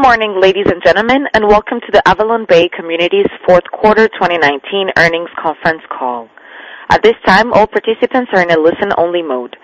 Good morning, ladies and gentlemen. Welcome to the AvalonBay Communities' fourth quarter 2019 earnings conference call. At this time, all participants are in a listen-only mode.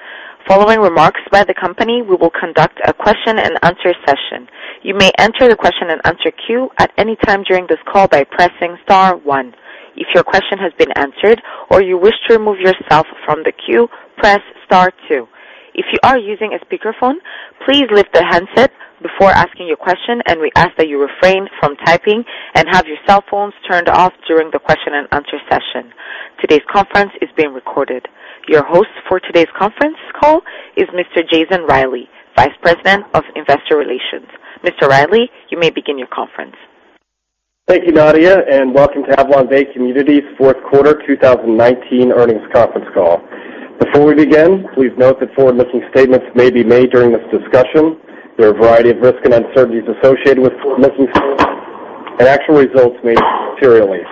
Following remarks by the company, we will conduct a question and answer session. You may enter the question and answer queue at any time during this call by pressing star one. If your question has been answered or you wish to remove yourself from the queue, press star two. If you are using a speakerphone, please lift the handset before asking your question, and we ask that you refrain from typing and have your cell phones turned off during the question and answer session. Today's conference is being recorded. Your host for today's conference call is Mr. Jason Reilly, Vice President of Investor Relations. Mr. Reilly, you may begin your conference. Thank you, Nadia, and welcome to AvalonBay Communities' fourth quarter 2019 earnings conference call. Before we begin, please note that forward-looking statements may be made during this discussion. There are a variety of risks and uncertainties associated with forward-looking statements, and actual results may differ materially.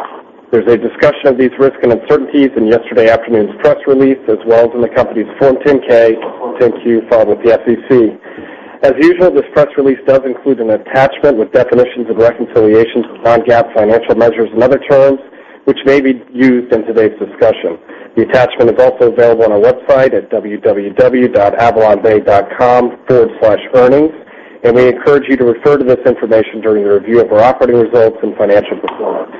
There's a discussion of these risks and uncertainties in yesterday afternoon's press release, as well as in the company's Form 10-K and Form 10-Q filed with the SEC. As usual, this press release does include an attachment with definitions of reconciliations to non-GAAP financial measures and other terms which may be used in today's discussion. The attachment is also available on our website at www.avalonbay.com/earnings, and we encourage you to refer to this information during your review of our operating results and financial performance.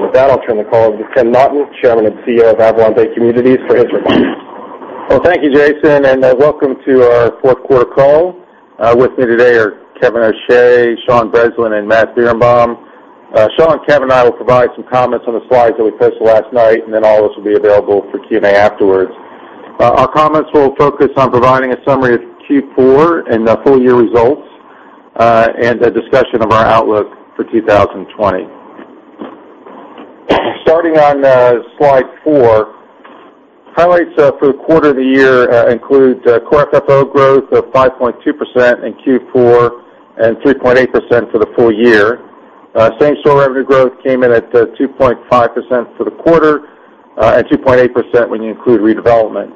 With that, I'll turn the call over to Tim Naughton, Chairman and Chief Executive Officer of AvalonBay Communities, for his remarks. Well, thank you, Jason, and welcome to our fourth quarter call. With me today are Kevin O'Shea, Sean Breslin, and Matt Birenbaum. Sean, Kevin, and I will provide some comments on the slides that we posted last night, and then all of us will be available for Q&A afterwards. Our comments will focus on providing a summary of Q4 and the full-year results, and a discussion of our outlook for 2020. Starting on slide four, highlights for the quarter of the year include Core FFO growth of 5.2% in Q4 and 3.8% for the full year. Same-store revenue growth came in at 2.5% for the quarter and 2.8% when you include redevelopment.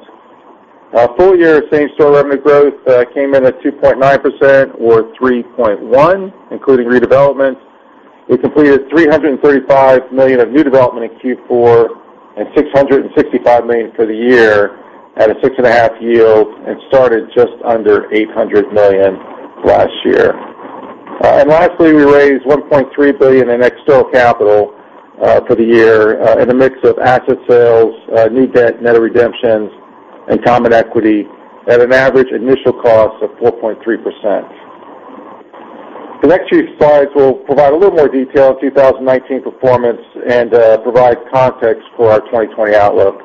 Full-year same-store revenue growth came in at 2.9% or 3.1% including redevelopment. We completed $335 million of new development in Q4 and $665 million for the year at a 6.5% yield and started just under $800 million last year. Lastly, we raised $1.3 billion in external capital for the year in a mix of asset sales, new debt, net of redemptions, and common equity at an average initial cost of 4.3%. The next few slides will provide a little more detail on 2019 performance and provide context for our 2020 outlook.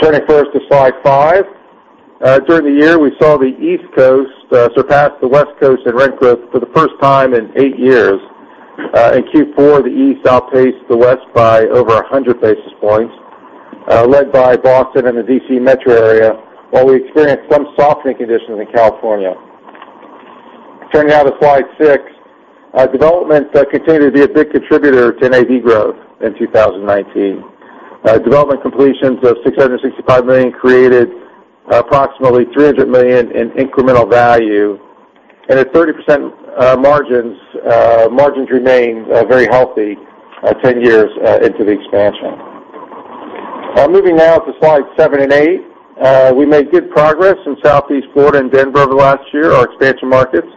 Turning first to slide five. During the year, we saw the East Coast surpass the West Coast in rent growth for the first time in eight years. In Q4, the East outpaced the West by over 100 basis points, led by Boston and the D.C. metro area, while we experienced some softening conditions in California. Turning now to slide six. Development continued to be a big contributor to NAV growth in 2019. Development completions of $665 million created approximately $300 million in incremental value, and at 30% margins remained very healthy 10 years into the expansion. Moving now to slides seven and eight. We made good progress in Southeast Florida and Denver over the last year, our expansion markets.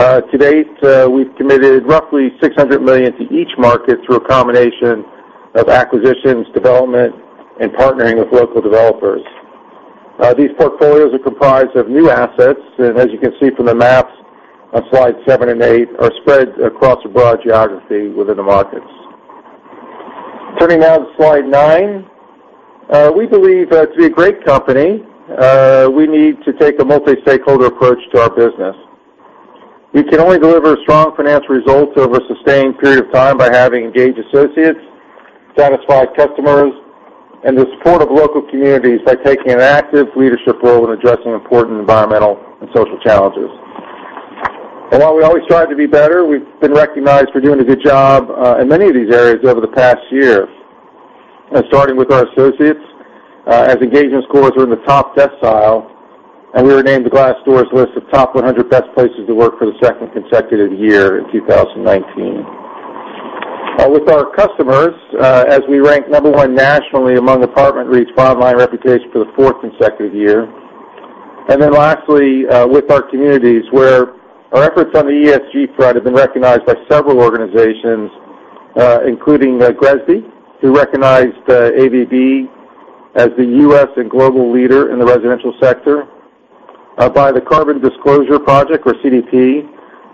To date, we've committed roughly $600 million to each market through a combination of acquisitions, development, and partnering with local developers. These portfolios are comprised of new assets, and as you can see from the maps on slides seven and eight, are spread across a broad geography within the markets. Turning now to slide nine. We believe to be a great company, we need to take a multi-stakeholder approach to our business. We can only deliver strong financial results over a sustained period of time by having engaged associates, satisfied customers, and the support of local communities by taking an active leadership role in addressing important environmental and social challenges. While we always strive to be better, we've been recognized for doing a good job in many of these areas over the past year. Starting with our associates, as engagement scores are in the top decile, and we were named to Glassdoor's list of top 100 best places to work for the second consecutive year in 2019. With our customers, as we ranked number one nationally among apartment REITs for online reputation for the fourth consecutive year. Lastly, with our communities, where our efforts on the ESG front have been recognized by several organizations, including GRESB, who recognized AVB as the U.S. and global leader in the residential sector, by the Carbon Disclosure Project, or CDP,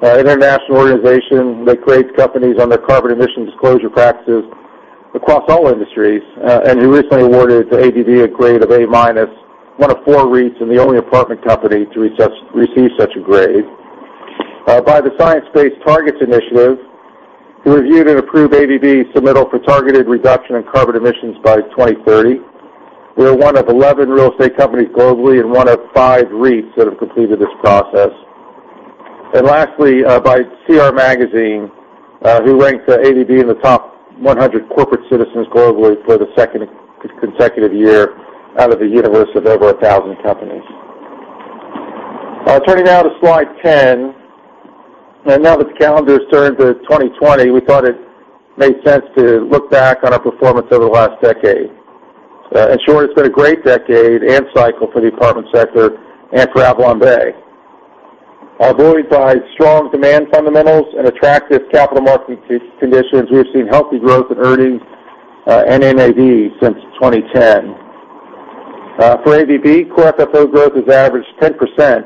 an international organization that grades companies on their carbon emission disclosure practices across all industries, and who recently awarded AVB a grade of A-, one of four REITs and the only apartment company to receive such a grade. By the Science-Based Targets initiative, who reviewed and approved AVB's submittal for targeted reduction in carbon emissions by 2030. We are one of 11 real estate companies globally and one of five REITs that have completed this process. Lastly, by CR Magazine, who ranked AVB in the top 100 corporate citizens globally for the second consecutive year out of a universe of over 1,000 companies. Turning now to slide 10. Now that the calendar has turned to 2020, we thought it made sense to look back on our performance over the last decade. In short, it's been a great decade and cycle for the apartment sector and for AvalonBay. Buoyed by strong demand fundamentals and attractive capital market conditions, we've seen healthy growth in earnings and NAV since 2010. For AVB, Core FFO growth has averaged 10%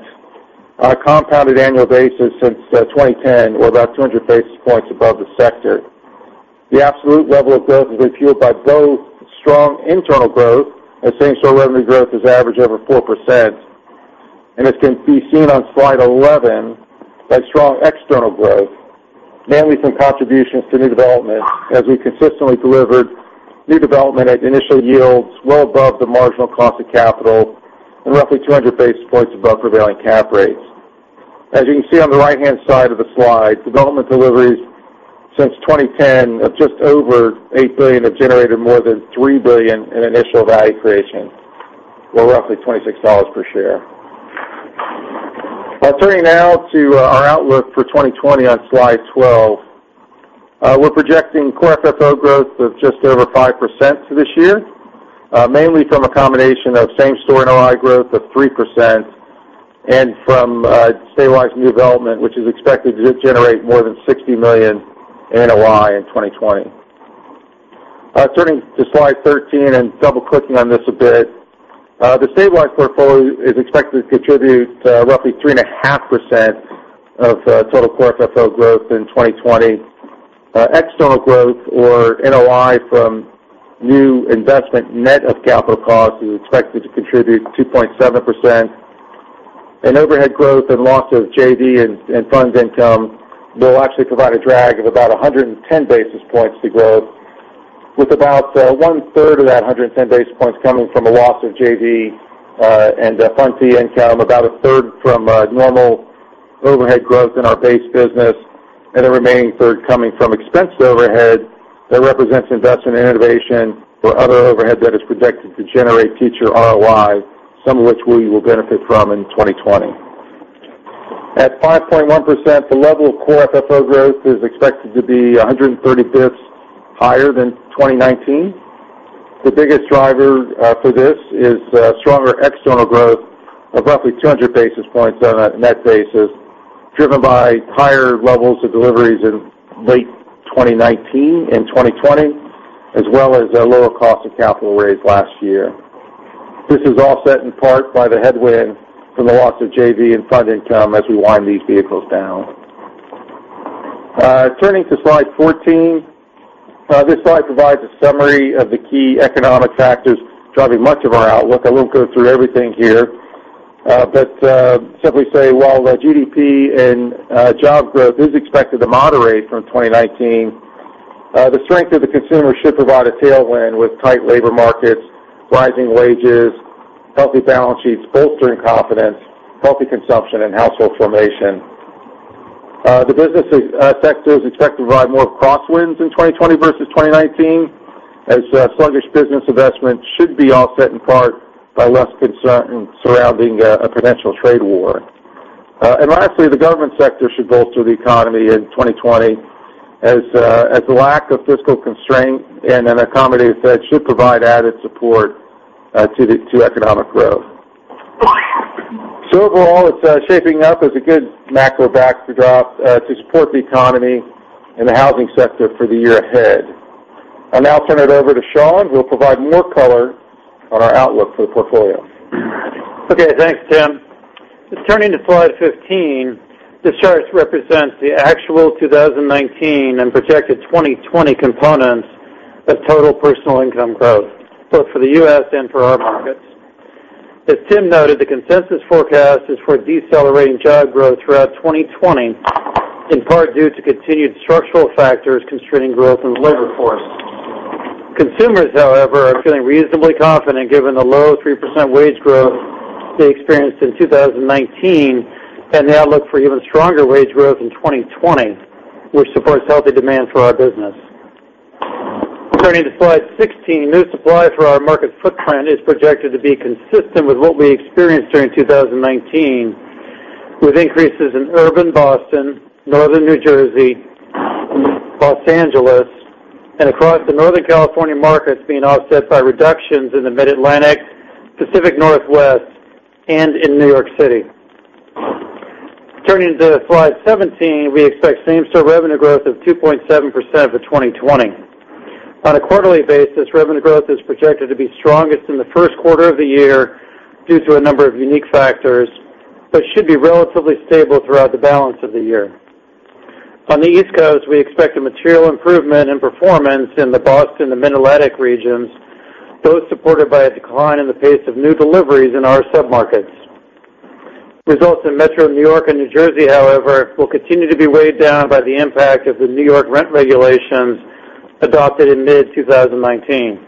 on a compounded annual basis since 2010, or about 200 basis points above the sector. The absolute level of growth is fueled by both strong internal growth, as same-store revenue growth has averaged over 4%. As can be seen on slide 11, by strong external growth, mainly from contributions to new development, as we consistently delivered new development at initial yields well above the marginal cost of capital and roughly 200 basis points above prevailing cap rates. As you can see on the right-hand side of the slide, development deliveries since 2010 of just over $8 billion have generated more than $3 billion in initial value creation or roughly $26 per share. Turning now to our outlook for 2020 on slide 12. We're projecting Core FFO growth of just over 5% for this year, mainly from a combination of same-store NOI growth of 3% and from stabilized new development, which is expected to generate more than $60 million in NOI in 2020. Turning to slide 13 and double-clicking on this a bit. The stabilized portfolio is expected to contribute roughly 3.5% of total Core FFO growth in 2020. External growth or NOI from new investment net of capital costs is expected to contribute 2.7%. Overhead growth and loss of JV and fund income will actually provide a drag of about 110 basis points to growth, with about 1/3 of that 110 basis points coming from a loss of JV and fund fee income, about a third from normal overhead growth in our base business, and the remaining third coming from expense overhead that represents investment in innovation or other overhead that is projected to generate future ROI, some of which we will benefit from in 2020. At 5.1%, the level of Core FFO growth is expected to be 130 basis points higher than 2019. The biggest driver for this is stronger external growth of roughly 200 basis points on a net basis, driven by higher levels of deliveries in late 2019 and 2020, as well as a lower cost of capital raised last year. This is offset in part by the headwind from the loss of JV and fund income as we wind these vehicles down. Turning to slide 14. This slide provides a summary of the key economic factors driving much of our outlook. I won't go through everything here. Simply say, while the GDP and job growth is expected to moderate from 2019, the strength of the consumer should provide a tailwind with tight labor markets, rising wages, healthy balance sheets bolstering confidence, healthy consumption, and household formation. The business sector is expected to provide more crosswinds in 2020 versus 2019, as sluggish business investment should be offset in part by less concern surrounding a potential trade war. Lastly, the government sector should bolster the economy in 2020, as the lack of fiscal constraint and an accommodative Fed should provide added support to economic growth. Overall, it's shaping up as a good macro backdrop to support the economy and the housing sector for the year ahead. I'll now turn it over to Sean, who will provide more color on our outlook for the portfolio. Okay. Thanks, Tim. Just turning to slide 15. This chart represents the actual 2019 and projected 2020 components of total personal income growth, both for the U.S. and for our markets. As Tim noted, the consensus forecast is for decelerating job growth throughout 2020, in part due to continued structural factors constraining growth in the labor force. Consumers, however, are feeling reasonably confident given the low 3% wage growth they experienced in 2019 and the outlook for even stronger wage growth in 2020, which supports healthy demand for our business. Turning to slide 16. New supply for our market footprint is projected to be consistent with what we experienced during 2019, with increases in urban Boston, Northern New Jersey, Los Angeles, and across the Northern California markets being offset by reductions in the Mid-Atlantic, Pacific Northwest, and in New York City. Turning to slide 17, we expect same-store revenue growth of 2.7% for 2020. On a quarterly basis, revenue growth is projected to be strongest in the first quarter of the year due to a number of unique factors, but should be relatively stable throughout the balance of the year. On the East Coast, we expect a material improvement in performance in the Boston and Mid-Atlantic regions, both supported by a decline in the pace of new deliveries in our sub-markets. Results in Metro New York and New Jersey, however, will continue to be weighed down by the impact of the New York rent regulations adopted in mid-2019.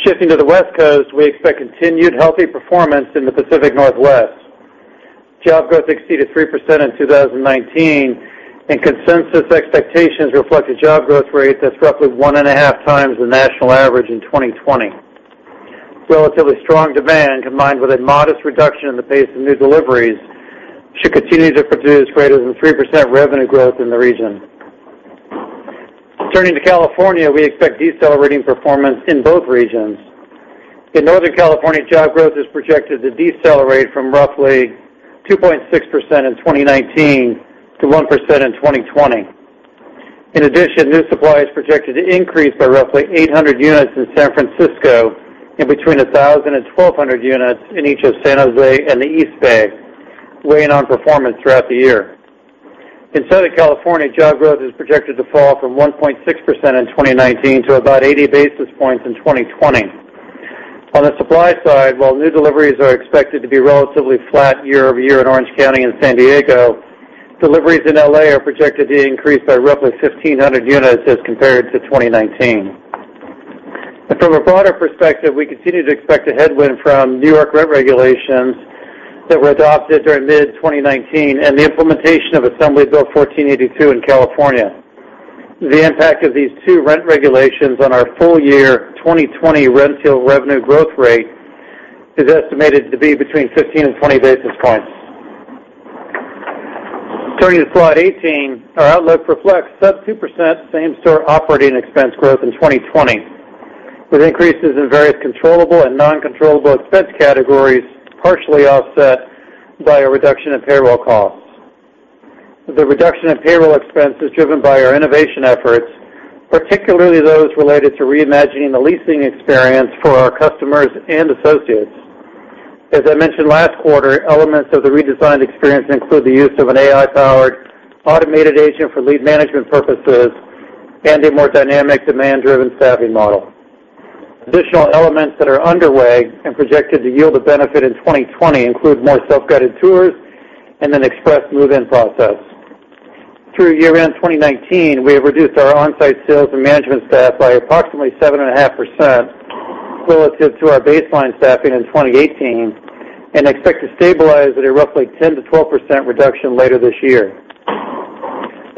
Shifting to the West Coast, we expect continued healthy performance in the Pacific Northwest. Job growth exceeded 3% in 2019. Consensus expectations reflect a job growth rate that's roughly 1.5x the national average in 2020. Relatively strong demand, combined with a modest reduction in the pace of new deliveries, should continue to produce greater than 3% revenue growth in the region. Turning to California, we expect decelerating performance in both regions. In Northern California, job growth is projected to decelerate from roughly 2.6% in 2019 to 1% in 2020. In addition, new supply is projected to increase by roughly 800 units in San Francisco and between 1,000 and 1,200 units in each of San Jose and the East Bay, weighing on performance throughout the year. In Southern California, job growth is projected to fall from 1.6% in 2019 to about 80 basis points in 2020. On the supply side, while new deliveries are expected to be relatively flat year-over-year in Orange County and San Diego, deliveries in L.A. are projected to increase by roughly 1,500 units as compared to 2019. From a broader perspective, we continue to expect a headwind from New York rent regulations that were adopted during mid-2019 and the implementation of Assembly Bill 1482 in California. The impact of these two rent regulations on our full year 2020 rent yield revenue growth rate is estimated to be between 15 and 20 basis points. Turning to slide 18, our outlook reflects sub 2% same-store operating expense growth in 2020, with increases in various controllable and non-controllable expense categories partially offset by a reduction in payroll costs. The reduction in payroll expense is driven by our innovation efforts, particularly those related to reimagining the leasing experience for our customers and associates. As I mentioned last quarter, elements of the redesigned experience include the use of an AI-powered automated agent for lead management purposes and a more dynamic demand-driven staffing model. Additional elements that are underway and projected to yield a benefit in 2020 include more self-guided tours and an express move-in process. Through year-end 2019, we have reduced our on-site sales and management staff by approximately 7.5% relative to our baseline staffing in 2018 and expect to stabilize at a roughly 10%-12% reduction later this year.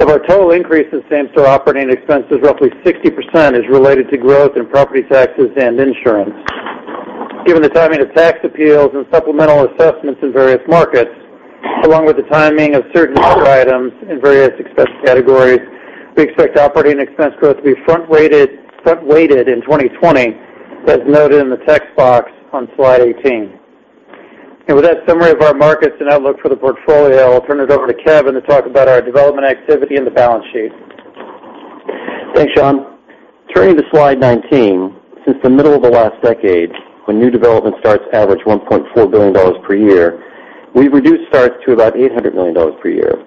Of our total increase in same-store operating expenses, roughly 60% is related to growth in property taxes and insurance. Given the timing of tax appeals and supplemental assessments in various markets, along with the timing of certain other items in various expense categories, we expect operating expense growth to be front weighted in 2020, as noted in the text box on slide 18. With that summary of our markets and outlook for the portfolio, I'll turn it over to Kevin to talk about our development activity and the balance sheet. Thanks, Sean. Turning to slide 19, since the middle of the last decade, when new development starts averaged $1.4 billion per year, we've reduced starts to about $800 million per year.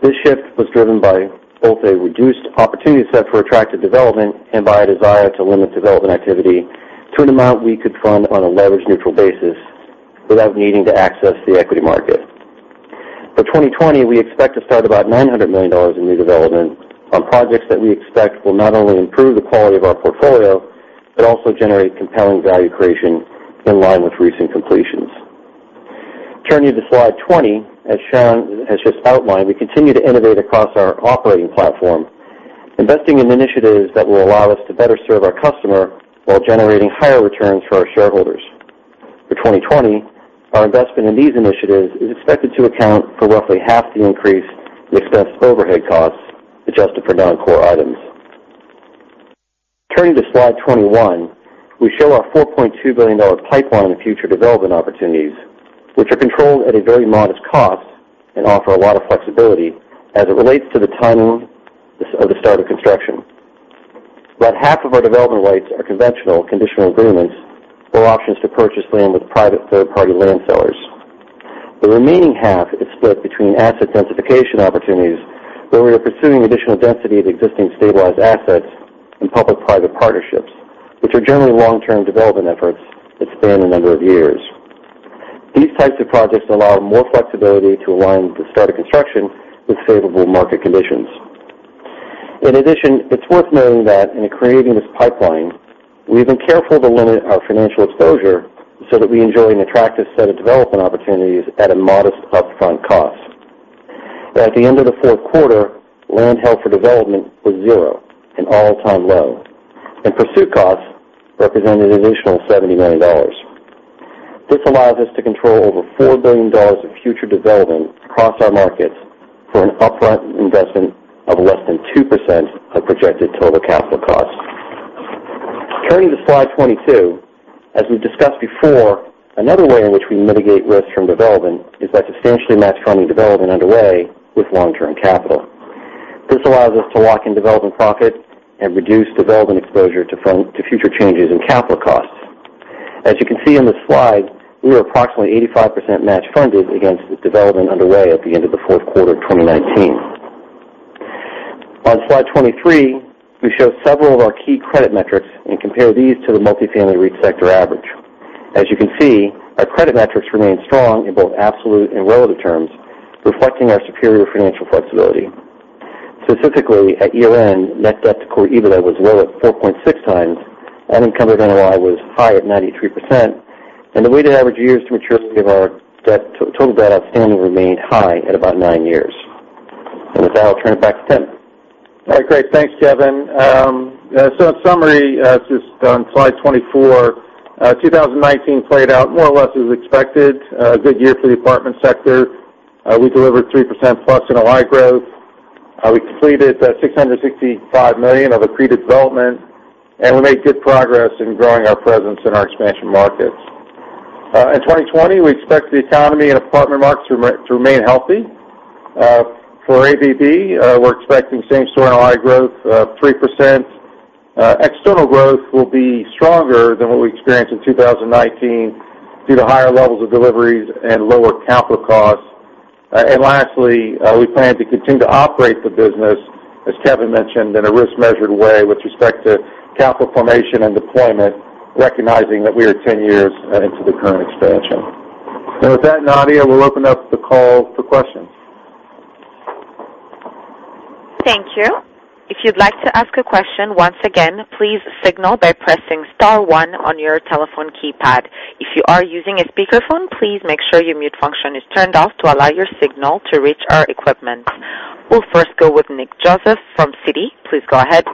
This shift was driven by both a reduced opportunity set for attractive development and by a desire to limit development activity to an amount we could fund on a leverage-neutral basis without needing to access the equity market. For 2020, we expect to start about $900 million in new development on projects that we expect will not only improve the quality of our portfolio, but also generate compelling value creation in line with recent completions. Turning to slide 20, as Sean has just outlined, we continue to innovate across our operating platform, investing in initiatives that will allow us to better serve our customer while generating higher returns for our shareholders. For 2020, our investment in these initiatives is expected to account for roughly half the increase in expense overhead costs, adjusted for non-core items. Turning to slide 21, we show our $4.2 billion pipeline of future development opportunities, which are controlled at a very modest cost and offer a lot of flexibility as it relates to the timing of the start of construction. About half of our development rights are conventional conditional agreements or options to purchase land with private third-party land sellers. The remaining half is split between asset densification opportunities, where we are pursuing additional density of existing stabilized assets in public-private partnerships, which are generally long-term development efforts that span a number of years. These types of projects allow more flexibility to align the start of construction with favorable market conditions. In addition, it's worth noting that in creating this pipeline, we've been careful to limit our financial exposure so that we enjoy an attractive set of development opportunities at a modest upfront cost. At the end of the fourth quarter, land held for development was zero, an all-time low, and pursuit costs represented an additional $70 million. This allows us to control over $4 billion of future development across our markets for an upfront investment of less than 2% of projected total capital costs. Turning to slide 22, as we've discussed before, another way in which we mitigate risk from development is by substantially match funding development underway with long-term capital. This allows us to lock in development profit and reduce development exposure to future changes in capital costs. As you can see in the slide, we are approximately 85% match funded against the development underway at the end of the fourth quarter of 2019. On slide 23, we show several of our key credit metrics and compare these to the multifamily REIT sector average. As you can see, our credit metrics remain strong in both absolute and relative terms, reflecting our superior financial flexibility. Specifically at year-end, net debt to core EBITDA was low at 4.6x, unencumbered NOI was high at 93%, and the weighted average years to maturity of our total debt outstanding remained high at about nine years. With that, I'll turn it back to Tim. All right, great. Thanks, Kevin. In summary, just on slide 24, 2019 played out more or less as expected. A good year for the apartment sector. We delivered 3%+ NOI growth. We completed $665 million of accreted development, and we made good progress in growing our presence in our expansion markets. In 2020, we expect the economy and apartment markets to remain healthy. For AVB, we're expecting same-store NOI growth of 3%. External growth will be stronger than what we experienced in 2019 due to higher levels of deliveries and lower capital costs. Lastly, we plan to continue to operate the business, as Kevin mentioned, in a risk-measured way with respect to capital formation and deployment, recognizing that we are 10 years into the current expansion. With that, Nadia, we'll open up the call for questions. Thank you. If you'd like to ask a question, once again, please signal by pressing star one on your telephone keypad. If you are using a speakerphone, please make sure your mute function is turned off to allow your signal to reach our equipment. We'll first go with Nick Joseph from Citi. Please go ahead.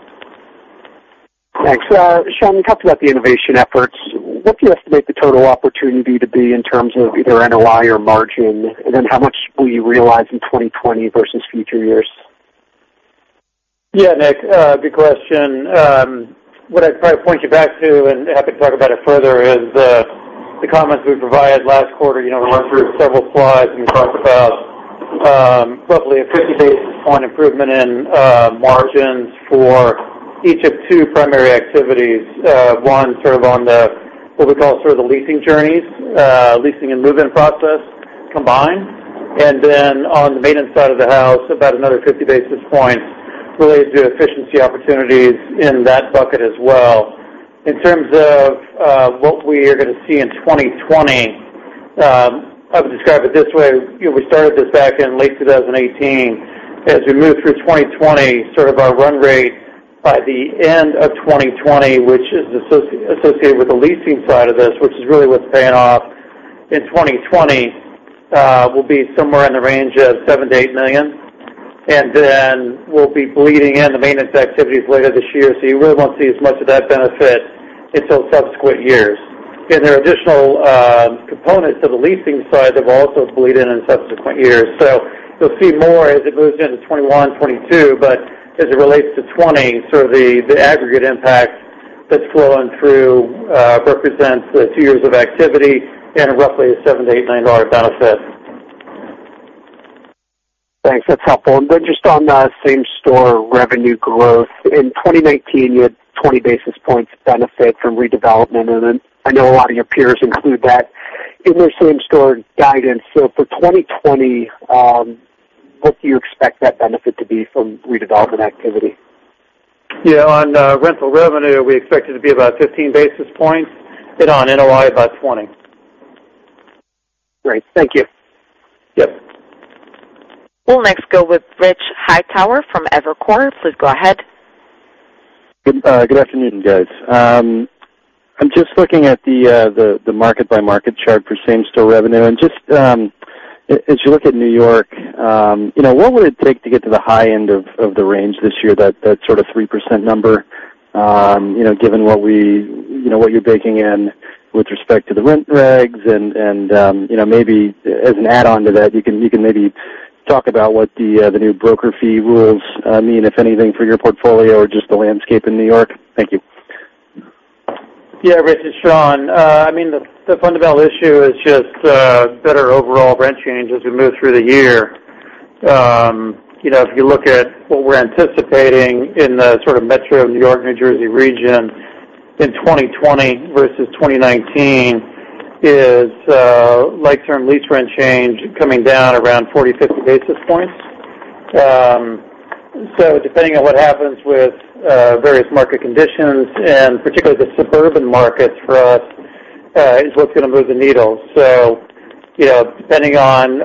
Thanks. Sean, you talked about the innovation efforts. What do you estimate the total opportunity to be in terms of either NOI or margin? How much will you realize in 2020 versus future years? Yeah, Nick, good question. What I'd probably point you back to, and happy to talk about it further, is the comments we provided last quarter. We went through several slides and talked about roughly a 50-basis-point improvement in margins for each of two primary activities. One, on the, what we call the leasing journeys, leasing and move-in process combined. On the maintenance side of the house, about another 50 basis points related to efficiency opportunities in that bucket as well. In terms of what we are going to see in 2020, I would describe it this way. We started this back in late 2018. As we move through 2020, our run rate by the end of 2020, which is associated with the leasing side of this, which is really what's paying off in 2020, will be somewhere in the range of $7 million-$8 million. We'll be bleeding in the maintenance activities later this year. You really won't see as much of that benefit until subsequent years. There are additional components to the leasing side that will also bleed in in subsequent years. You'll see more as it moves into 2021, 2022, but as it relates to 2020, the aggregate impact that's flowing through represents the two years of activity and roughly a $7 million-$8 million benefit. Thanks. That's helpful. Just on the same-store revenue growth. In 2019, you had 20 basis points benefit from redevelopment. I know a lot of your peers include that in their same-store guidance. For 2020, what do you expect that benefit to be from redevelopment activity? Yeah. On rental revenue, we expect it to be about 15 basis points, and on NOI, about 20. Great. Thank you. Yep. We'll next go with Rich Hightower from Evercore. Please go ahead. Good afternoon, guys. I'm just looking at the market-by-market chart for same-store revenue. Just as you look at New York, what would it take to get to the high end of the range this year, that 3% number, given what you're baking in with respect to the rent regs and maybe as an add-on to that, you can maybe talk about what the new broker fee rules mean, if anything, for your portfolio or just the landscape in New York? Thank you. Yeah, Rich, it's Sean. The fundamental issue is just better overall rent change as we move through the year. If you look at what we're anticipating in the metro New York, New Jersey region in 2020 versus 2019, is like-term lease rent change coming down around 40, 50 basis points. Depending on what happens with various market conditions and particularly the suburban markets for us, is what's going to move the needle. Depending on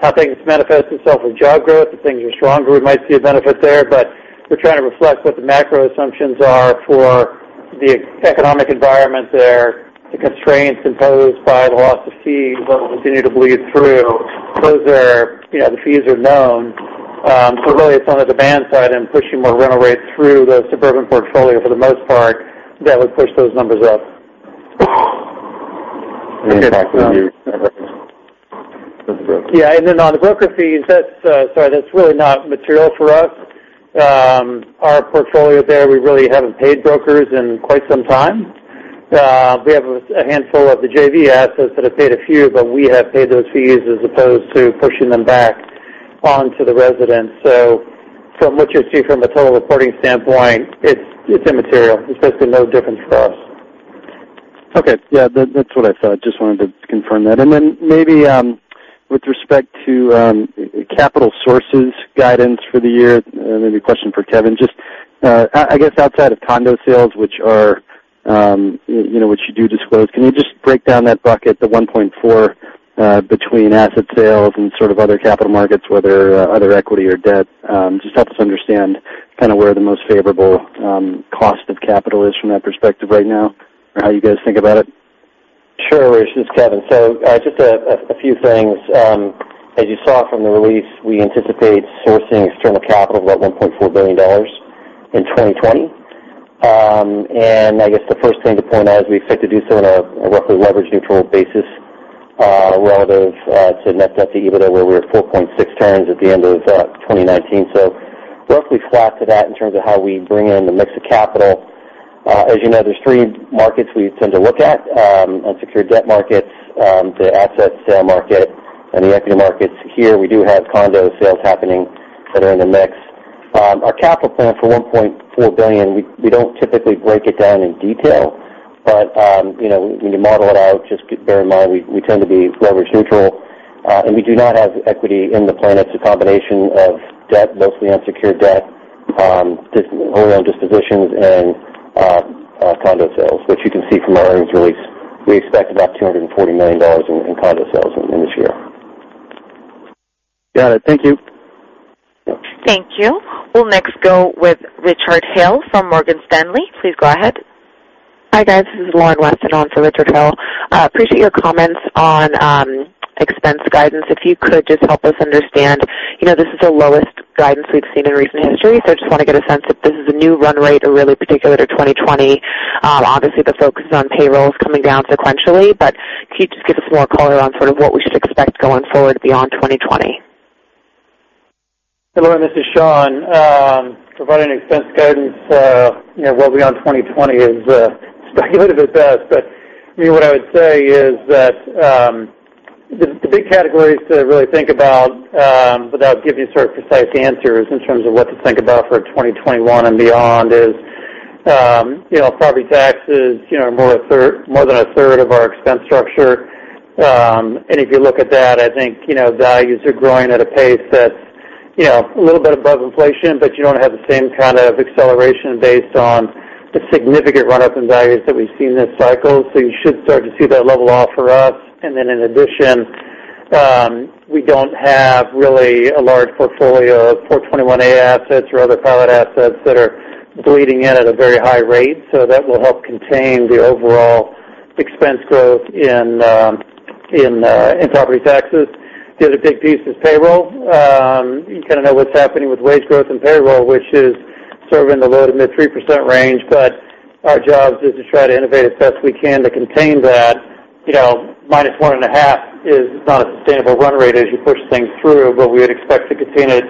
how things manifest itself with job growth, if things are stronger, we might see a benefit there, but we're trying to reflect what the macro assumptions are for the economic environment there, the constraints imposed by the loss of fees that will continue to bleed through. The fees are known. Really, it's on the demand side and pushing more rental rates through the suburban portfolio for the most part that would push those numbers up. Yeah. On the broker fees, that's really not material for us. Our portfolio there, we really haven't paid brokers in quite some time. We have a handful of the JV assets that have paid a few, but we have paid those fees as opposed to pushing them back onto the residents. From what you see from a total reporting standpoint, it's immaterial. It's basically no different for us. Okay. Yeah, that's what I thought. Just wanted to confirm that. Maybe with respect to capital sources guidance for the year, maybe a question for Kevin. I guess outside of condo sales, which you do disclose, can you just break down that bucket, the $1.4 between asset sales and sort of other capital markets, whether other equity or debt? Just help us understand where the most favorable cost of capital is from that perspective right now, or how you guys think about it. Sure, Rich. This is Kevin. Just a few things. As you saw from the release, we anticipate sourcing external capital of about $1.4 billion in 2020. I guess the first thing to point out is we expect to do so on a roughly leverage-neutral basis relative to net debt to EBITDA, where we're at 4.6x at the end of 2019. Roughly flat to that in terms of how we bring in the mix of capital. As you know, there's three markets we tend to look at, unsecured debt markets, the asset sale market, and the equity markets. Here, we do have condo sales happening that are in the mix. Our capital plan for $1.4 billion, we don't typically break it down in detail, but when you model it out, just bear in mind, we tend to be leverage neutral, and we do not have equity in the plan. It's a combination of debt, mostly unsecured debt, overall dispositions, and condo sales, which you can see from our earnings release. We expect about $240 million in condo sales in this year. Got it. Thank you. Yeah. Thank you. We'll next go with Richard Hill from Morgan Stanley. Please go ahead. Hi, guys. This is Lauren Weston on for Richard Hill. Appreciate your comments on expense guidance. You could just help us understand, this is the lowest guidance we've seen in recent history. I just want to get a sense if this is a new run rate or really particular to 2020. Obviously, the focus is on payrolls coming down sequentially. Can you just give us more color on sort of what we should expect going forward beyond 2020? Hello, this is Sean. Providing expense guidance well beyond 2020 is speculative at best. What I would say is that the big categories to really think about, without giving sort of precise answers in terms of what to think about for 2021 and beyond is, property taxes, more than a third of our expense structure. If you look at that, I think values are growing at a pace that's a little bit above inflation, but you don't have the same kind of acceleration based on the significant run-up in values that we've seen this cycle. You should start to see that level off for us. In addition, we don't have really a large portfolio of 421-a assets or other PILOT assets that are bleeding in at a very high rate. That will help contain the overall expense growth in property taxes. The other big piece is payroll. You kind of know what's happening with wage growth and payroll, which is sort of in the low- to mid-3% range. Our job is to try to innovate as best we can to contain that. -1.5% is not a sustainable run rate as you push things through, but we would expect to contain it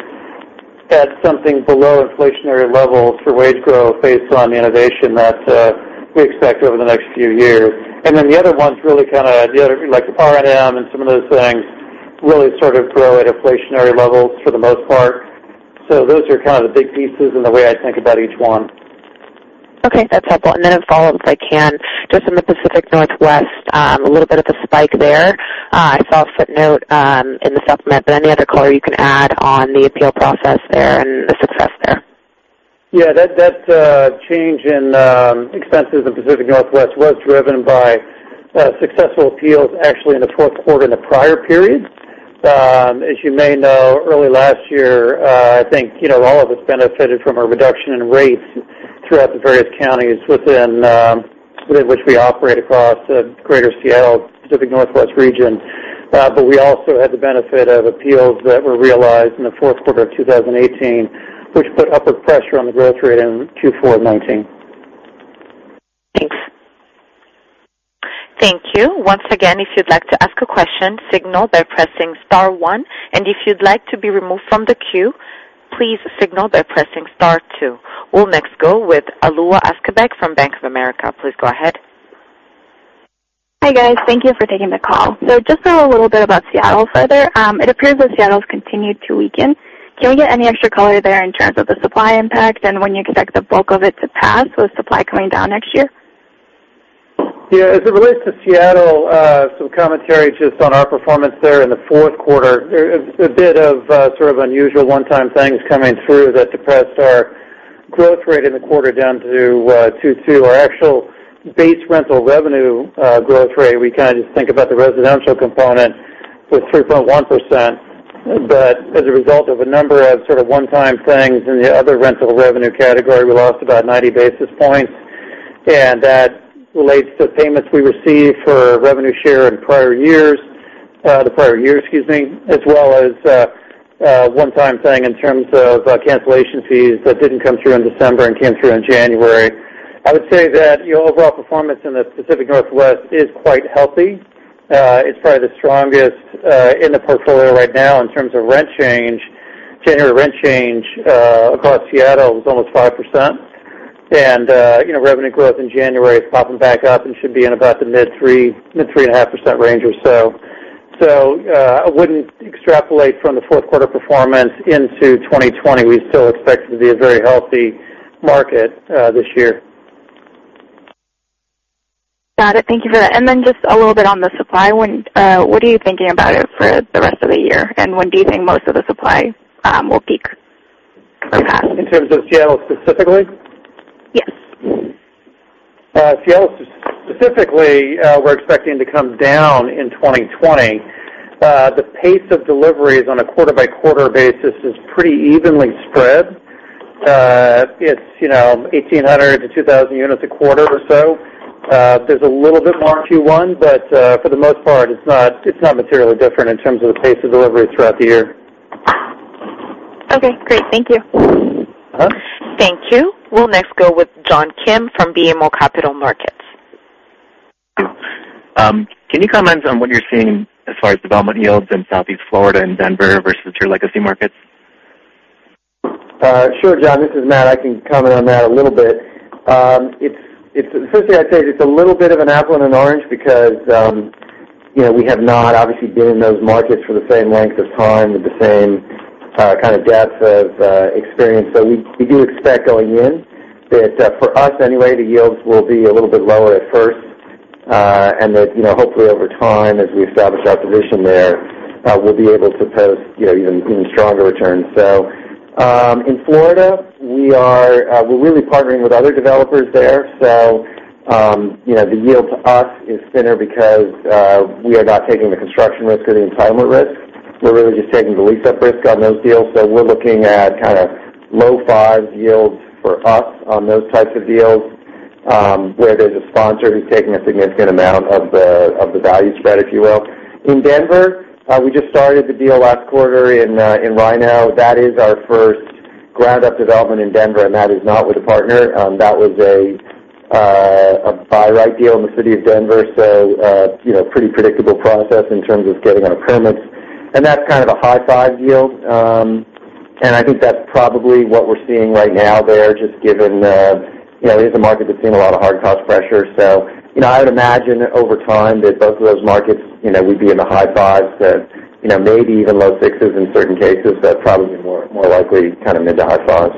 at something below inflationary levels for wage growth based on the innovation that we expect over the next few years. The other ones really kind of the other, like R&M and some of those things really sort of grow at inflationary levels for the most part. Those are kind of the big pieces and the way I think about each one. Okay. That's helpful. Then a follow-up, if I can. Just in the Pacific Northwest, a little bit of a spike there. I saw a footnote in the supplement, but any other color you can add on the appeal process there and the success there? That change in expenses in Pacific Northwest was driven by successful appeals actually in the fourth quarter in the prior period. As you may know, early last year, I think all of us benefited from a reduction in rates throughout the various counties within which we operate across the Greater Seattle, Pacific Northwest region. We also had the benefit of appeals that were realized in the fourth quarter of 2018, which put upward pressure on the growth rate in Q4 2019. Thanks. Thank you. Once again, if you'd like to ask a question, signal by pressing star one. If you'd like to be removed from the queue, please signal by pressing star two. We'll next go with Alua Askarbek from Bank of America. Please go ahead. Hi, guys. Thank you for taking the call. Just a little bit about Seattle further. It appears that Seattle's continued to weaken. Can we get any extra color there in terms of the supply impact and when you expect the bulk of it to pass with supply coming down next year? Yeah. As it relates to Seattle, some commentary just on our performance there in the fourth quarter. A bit of sort of unusual one-time things coming through that depressed our growth rate in the quarter down to 2.2%. Our actual base rental revenue growth rate, we kind of just think about the residential component, was 3.1%. As a result of a number of sort of one-time things in the other rental revenue category, we lost about 90 basis points. That relates to payments we received for revenue share in the prior year, as well as a one-time thing in terms of cancellation fees that didn't come through in December and came through in January. I would say that the overall performance in the Pacific Northwest is quite healthy. It's probably the strongest in the portfolio right now in terms of rent change. January rent change across Seattle was almost 5%, and revenue growth in January is popping back up and should be in about the mid-3, mid-3.5% range or so. I wouldn't extrapolate from the fourth quarter performance into 2020. We still expect it to be a very healthy market this year. Got it. Thank you for that. Just a little bit on the supply one. What are you thinking about it for the rest of the year? When do you think most of the supply will peak for that? In terms of Seattle specifically? Yes. Seattle specifically, we're expecting to come down in 2020. The pace of deliveries on a quarter-by-quarter basis is pretty evenly spread. It's 1,800-2,000 units a quarter or so. There's a little bit more Q1, but for the most part, it's not materially different in terms of the pace of deliveries throughout the year. Okay, great. Thank you. Thank you. We'll next go with John Kim from BMO Capital Markets. Can you comment on what you're seeing as far as development yields in Southeast Florida and Denver versus your legacy markets? Sure, John, this is Matt. I can comment on that a little bit. The first thing I'd say is it's a little bit of an apple and an orange because we have not obviously been in those markets for the same length of time with the same kind of depth of experience. We do expect going in that, for us anyway, the yields will be a little bit lower at first. That hopefully over time, as we establish our position there, we'll be able to post even stronger returns. In Florida, we're really partnering with other developers there. The yield to us is thinner because we are not taking the construction risk or the entitlement risk. We're really just taking the lease-up risk on those deals. We're looking at kind of low-five yields for us on those types of deals, where there's a sponsor who's taking a significant amount of the value spread, if you will. In Denver, we just started the deal last quarter in RiNo. That is our first ground-up development in Denver, that is not with a partner. That was a buy right deal in the city of Denver. Pretty predictable process in terms of getting our permits, that's kind of a high-five yield. I think that's probably what we're seeing right now there, just given that it is a market that's seen a lot of hard cost pressure. I would imagine over time that both of those markets would be in the high fives. Maybe even low sixes in certain cases, probably more likely kind of into high fives.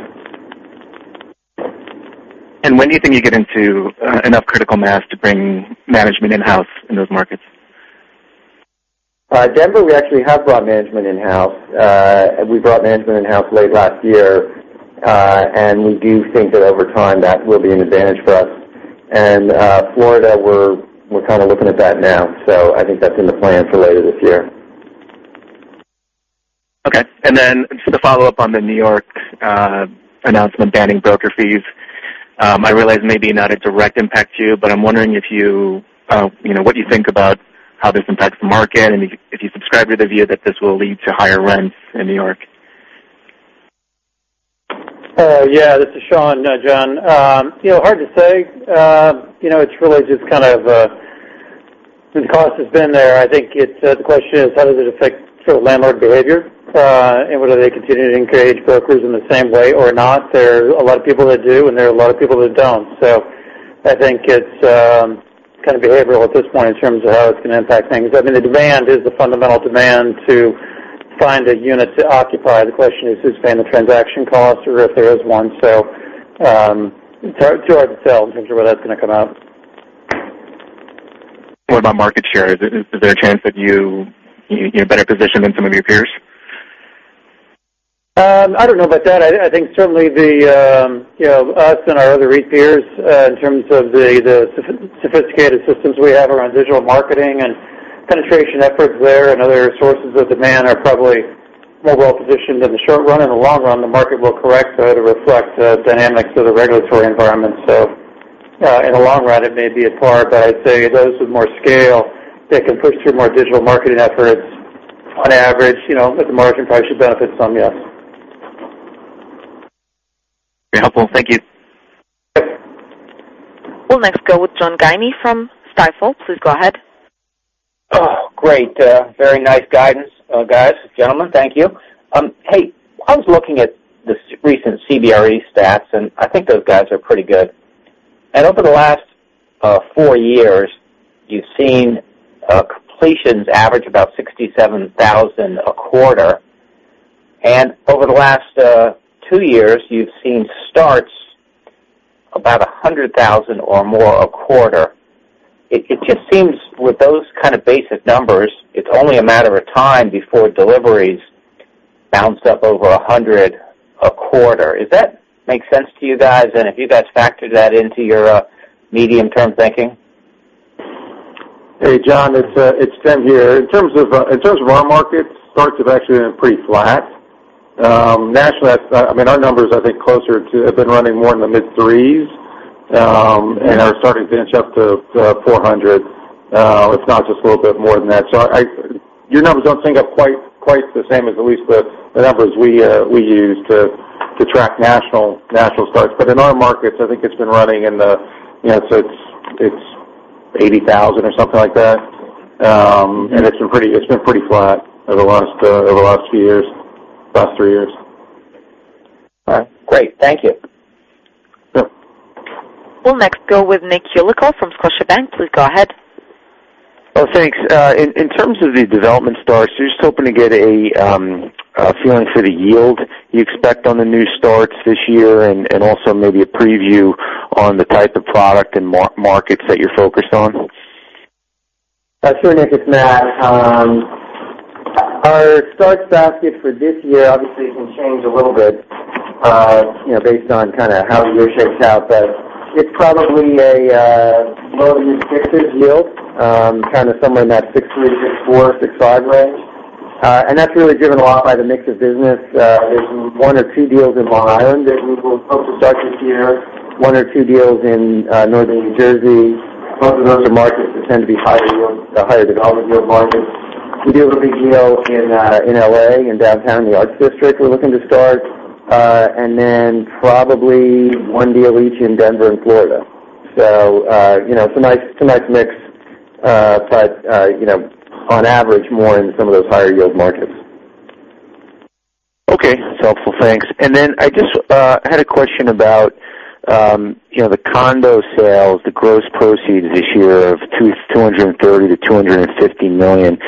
When do you think you get into enough critical mass to bring management in-house in those markets? Denver, we actually have brought management in-house. We brought management in-house late last year. We do think that over time, that will be an advantage for us. Florida, we're kind of looking at that now. I think that's in the plans for later this year. Okay. Just a follow-up on the New York announcement banning broker fees. I realize maybe not a direct impact to you, but I'm wondering what you think about how this impacts the market and if you subscribe to the view that this will lead to higher rents in New York. Yeah. This is Sean, John. Hard to say. The cost has been there. I think the question is how does it affect sort of landlord behavior? Whether they continue to engage brokers in the same way or not. There are a lot of people that do, and there are a lot of people that don't. I think it's kind of behavioral at this point in terms of how it's going to impact things. I mean, the demand is the fundamental demand to find a unit to occupy. The question is, who's paying the transaction cost or if there is one. It's too hard to tell in terms of where that's going to come out. What about market share? Is there a chance that you're in a better position than some of your peers? I don't know about that. I think certainly us and our other REIT peers, in terms of the sophisticated systems we have around digital marketing and penetration efforts there and other sources of demand, are probably more well-positioned in the short run. In the long run, the market will correct to reflect the dynamics of the regulatory environment. In the long run, it may be a part, but I'd say those with more scale that can push through more digital marketing efforts on average, the margin probably should benefit some, yes. Very helpful. Thank you. We'll next go with John Guinee from Stifel. Please go ahead. Great. Very nice guidance, guys, gentlemen. Thank you. Hey, I was looking at the recent CBRE stats, I think those guys are pretty good. Over the last four years, you've seen completions average about 67,000 a quarter. Over the last two years, you've seen starts about 100,000 or more a quarter. It just seems with those kind of basic numbers, it's only a matter of time before deliveries bounce up over 100 a quarter. Does that make sense to you guys? Have you guys factored that into your medium-term thinking? Hey, John, it's Tim here. In terms of our markets, starts have actually been pretty flat. Nationally, I mean, our numbers I think have been running more in the mid threes, and our starting finish up to 400. If not, just a little bit more than that. Your numbers don't sync up quite the same as at least the numbers we use to track national starts. In our markets, I think it's been running in the 80,000 or something like that. It's been pretty flat over the last few years, last three years. All right. Great. Thank you. Yep. We'll next go with Nick Yulico from Scotiabank. Please go ahead. Oh, thanks. In terms of the development starts, I'm just hoping to get a feeling for the yield you expect on the new starts this year, and also maybe a preview on the type of product and markets that you're focused on. Sure, Nick. It's Matt. Our starts basket for this year obviously can change a little bit, based on how the year shapes out. It's probably a low to mid-60s yield, somewhere in that 63-64, 65 range. That's really driven a lot by the mix of business. There's one or two deals in Long Island that we will hope to start this year, one or two deals in northern New Jersey, both of those are markets that tend to be higher yield, higher development yield markets. We do have a big deal in L.A. in downtown, in the Arts District, we're looking to start. Then probably one deal each in Denver and Florida. It's a nice mix. On average, more in some of those higher-yield markets. Okay. That's helpful. Thanks. I just had a question about the condo sales, the gross proceeds this year of $230 million-$250 million.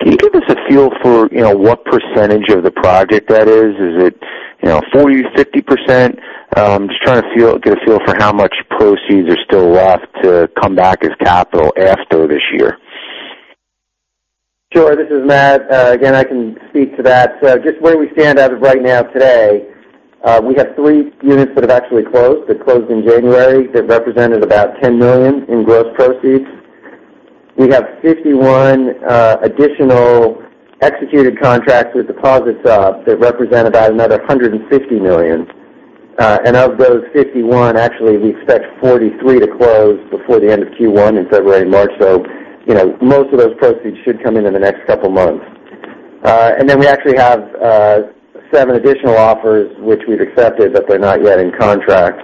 Can you give us a feel for what percentage of the project that is? Is it 40%, 50%? I'm just trying to get a feel for how much proceeds are still left to come back as capital after this year. Sure. This is Matt. Again, I can speak to that. Just where we stand as of right now today, we have three units that have actually closed. They closed in January. They represented about $10 million in gross proceeds. We have 51 additional executed contracts with deposits up that represent about another $150 million. Of those 51, actually, we expect 43 to close before the end of Q1 in February and March. Most of those proceeds should come in in the next couple of months. We actually have seven additional offers which we've accepted, but they're not yet in contract.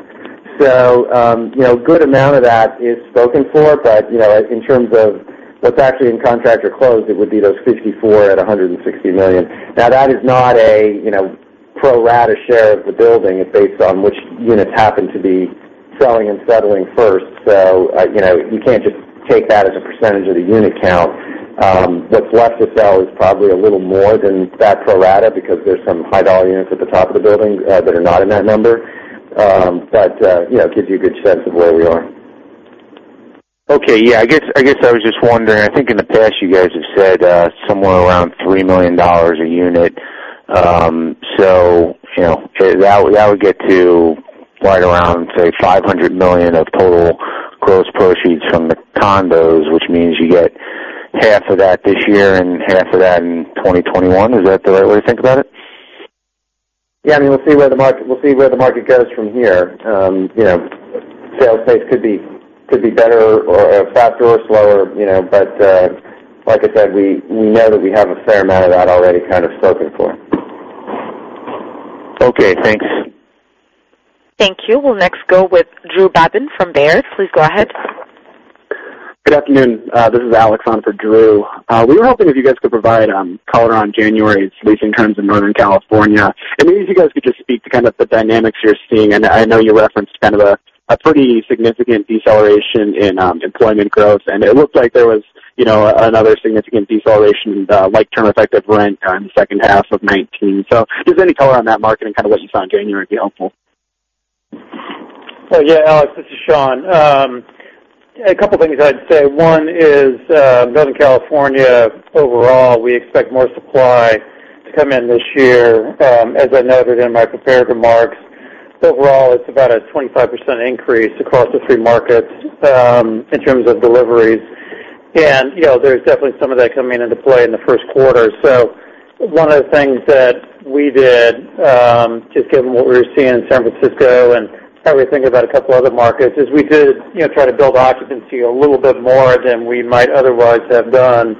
A good amount of that is spoken for. In terms of what's actually in contract or closed, it would be those 54 at $160 million. Now, that is not a pro rata share of the building. It's based on which units happen to be selling and settling first. You can't just take that as a percentage of the unit count. What's left to sell is probably a little more than that pro rata because there's some high-dollar units at the top of the building that are not in that number. That gives you a good sense of where we are. Okay. Yeah, I guess I was just wondering, I think in the past you guys have said somewhere around $3 million a unit. That would get to right around, say, $500 million of total gross proceeds from the condos, which means you get half of that this year and half of that in 2021. Is that the right way to think about it? Yeah. We'll see where the market goes from here. Sales pace could be better or faster or slower. Like I said, we know that we have a fair amount of that already kind of spoken for. Okay, thanks. Thank you. We'll next go with Drew Babin from Baird. Please go ahead. Good afternoon. This is Alex on for Drew. We were hoping if you guys could provide color on January's lease in terms of Northern California, and maybe if you guys could just speak to kind of the dynamics you're seeing. I know you referenced kind of a pretty significant deceleration in employment growth, and it looked like there was another significant deceleration in like-term effective rent during the second half of 2019. If there's any color on that market and kind of what you saw in January would be helpful. Yeah, Alex, this is Sean. A couple things I'd say. One is, Northern California overall, we expect more supply to come in this year. As I noted in my prepared remarks, overall, it's about a 25% increase across the three markets in terms of deliveries. There's definitely some of that coming into play in the first quarter. One of the things that we did, just given what we were seeing in San Francisco and how we think about a couple other markets, is we did try to build occupancy a little bit more than we might otherwise have done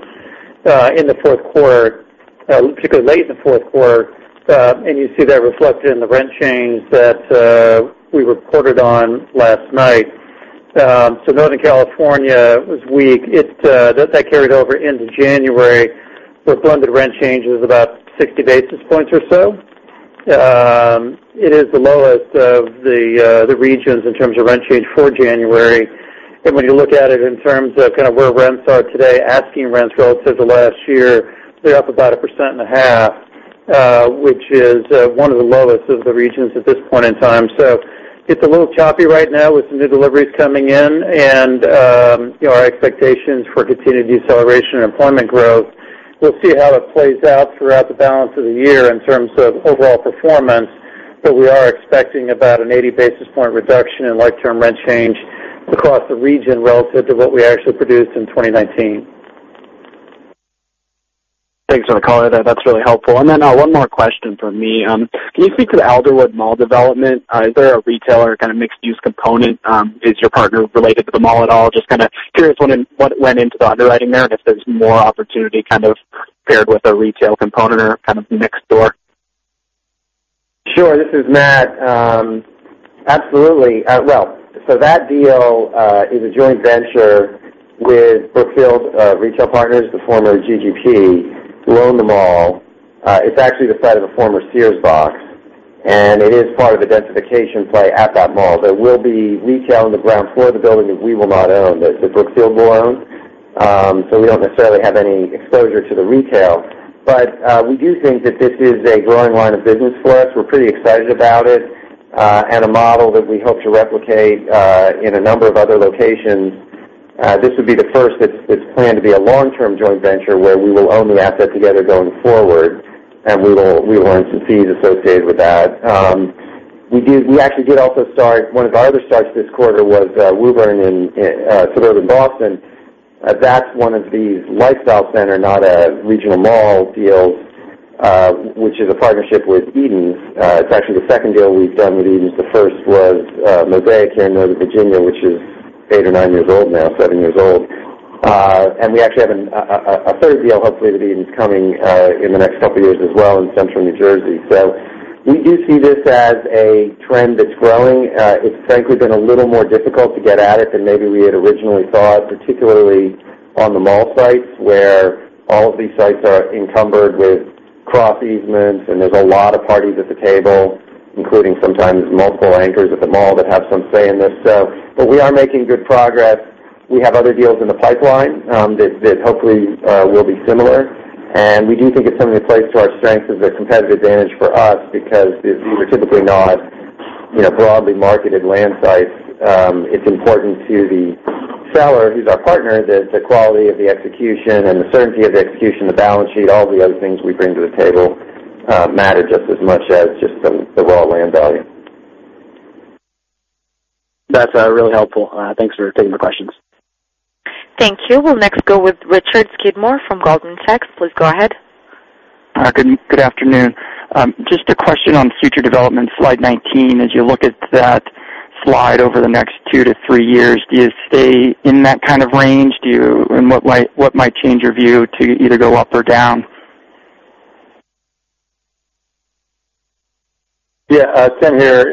in the fourth quarter, particularly late in the fourth quarter. You see that reflected in the rent change that we reported on last night. Northern California was weak. That carried over into January, with blended rent changes about 60 basis points or so. It is the lowest of the regions in terms of rent change for January. When you look at it in terms of kind of where rents are today, asking rents relative to last year, they're up about 1.5%, which is one of the lowest of the regions at this point in time. It's a little choppy right now with some new deliveries coming in and our expectations for continued deceleration in employment growth. We'll see how it plays out throughout the balance of the year in terms of overall performance. We are expecting about an 80-basis-point reduction in like-term rent change across the region relative to what we actually produced in 2019. Thanks for the color there. That's really helpful. One more question from me. Can you speak to the Alderwood Mall development? Is there a retail or kind of mixed-use component? Is your partner related to the mall at all? Just kind of curious what went into the underwriting there and if there's more opportunity kind of paired with a retail component or kind of mixed-use. Sure, this is Matt. Absolutely. Well, that deal is a joint venture with Brookfield Property Partners, the former GGP, who own the mall. It's actually the site of a former Sears box. It is part of the densification play at that mall. There will be retail on the ground floor of the building that we will not own, that the Brookfield will own. We don't necessarily have any exposure to the retail. We do think that this is a growing line of business for us. We're pretty excited about it, and a model that we hope to replicate in a number of other locations. This would be the first that's planned to be a long-term joint venture, where we will own the asset together going forward, and we will earn some fees associated with that. We actually did also start, one of our other starts this quarter was Woburn in suburban Boston. That's one of these lifestyle center, not a regional mall deals, which is a partnership with Edens. It's actually the second deal we've done with Edens. The first was Mosaic in Northern Virginia, which is eight or nine years old now, seven years old. We actually have a third deal hopefully with Edens coming in the next couple of years as well in Central New Jersey. We do see this as a trend that's growing. It's frankly been a little more difficult to get at it than maybe we had originally thought, particularly on the mall sites, where all of these sites are encumbered with cross-easements, and there's a lot of parties at the table, including sometimes multiple anchors at the mall that have some say in this. We are making good progress. We have other deals in the pipeline that hopefully will be similar. We do think it's something that plays to our strength as a competitive advantage for us because these are typically not broadly marketed land sites. It's important to the seller, who's our partner, that the quality of the execution and the certainty of the execution, the balance sheet, all the other things we bring to the table matter just as much as just the raw land value. That's really helpful. Thanks for taking the questions. Thank you. We'll next go with Richard Skidmore from Goldman Sachs. Please go ahead. Good afternoon. Just a question on future development, slide 19. As you look at that slide over the next two to three years, do you stay in that kind of range? What might change your view to either go up or down? Tim here.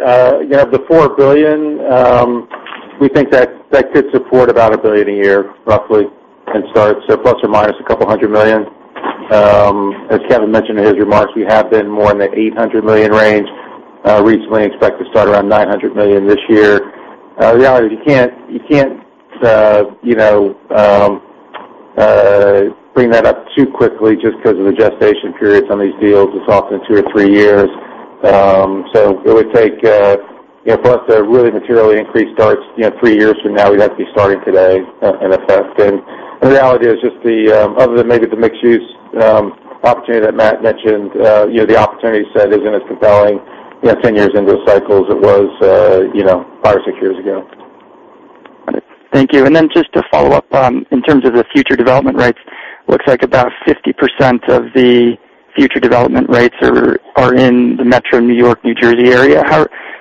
The $4 billion, we think that could support about $1 billion a year, roughly, in starts, ±$200 million. As Kevin mentioned in his remarks, we have been more in the $800 million range recently, expect to start around $900 million this year. The reality is you can't bring that up too quickly just because of the gestation periods on these deals. It's often two or three years. It would take, for us to really materially increase starts three years from now, we'd have to be starting today, in effect. The reality is just the, other than maybe the mixed-use opportunity that Matt mentioned, the opportunity set isn't as compelling 10 years into the cycle as it was five or six years ago. Got it. Thank you. Just to follow up, in terms of the future development rates, looks like about 50% of the future development rates are in the metro New York-New Jersey area.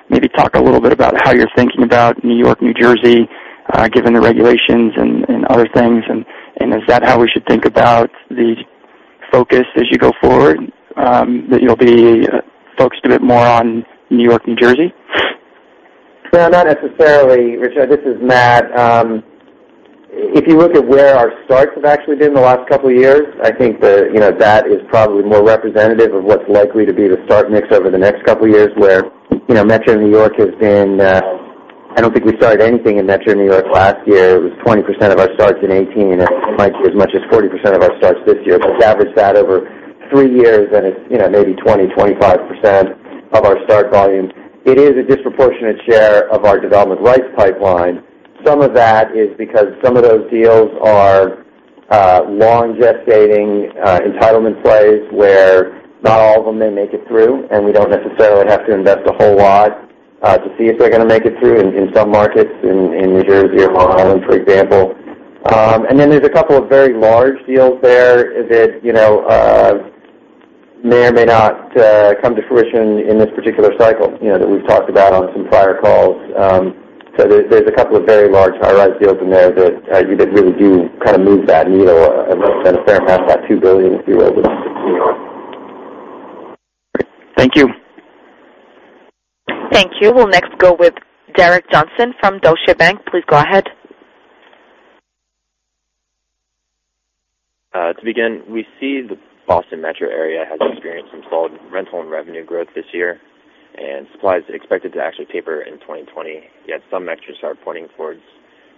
Maybe talk a little bit about how you're thinking about New York-New Jersey, given the regulations and other things, and is that how we should think about the focus as you go forward, that you'll be focused a bit more on New York-New Jersey? No, not necessarily, Richard. This is Matt. If you look at where our starts have actually been in the last couple of years, I think that is probably more representative of what's likely to be the start mix over the next couple of years, where metro New York has been. I don't think we started anything in metro New York last year. It was 20% of our starts in 2018. It might be as much as 40% of our starts this year. Average that over three years, and it's maybe 20%-25% of our start volumes. It is a disproportionate share of our development rights pipeline. Some of that is because some of those deals are long-gestating entitlement plays, where not all of them may make it through, and we don't necessarily have to invest a whole lot to see if they're going to make it through in some markets, in New Jersey or Long Island, for example. Then there's a couple of very large deals there that may or may not come to fruition in this particular cycle, that we've talked about on some prior calls. There's a couple of very large, high-rise deals in there that really do kind of move that needle a fair amount, that $2 billion, if you will. Great. Thank you. Thank you. We'll next go with Derek Johnston from Deutsche Bank. Please go ahead. To begin, we see the Boston metro area has experienced some solid rental and revenue growth this year, and supply is expected to actually taper in 2020, yet some metrics are pointing towards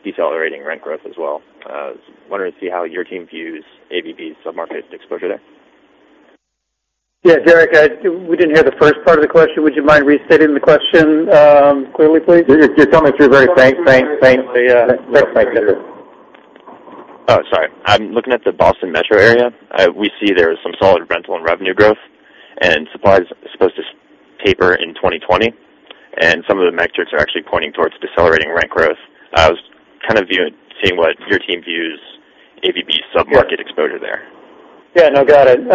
decelerating rent growth as well. I was wondering to see how your team views AVB's sub-market exposure there. Yeah, Derek, we didn't hear the first part of the question. Would you mind restating the question clearly, please? You're coming through very faint. Oh, sorry. I'm looking at the Boston metro area. We see there is some solid rental and revenue growth, and supply is supposed to taper in 2020, and some of the metrics are actually pointing towards decelerating rent growth. I was kind of seeing what your team views AVB's sub-market exposure there? No, got it. As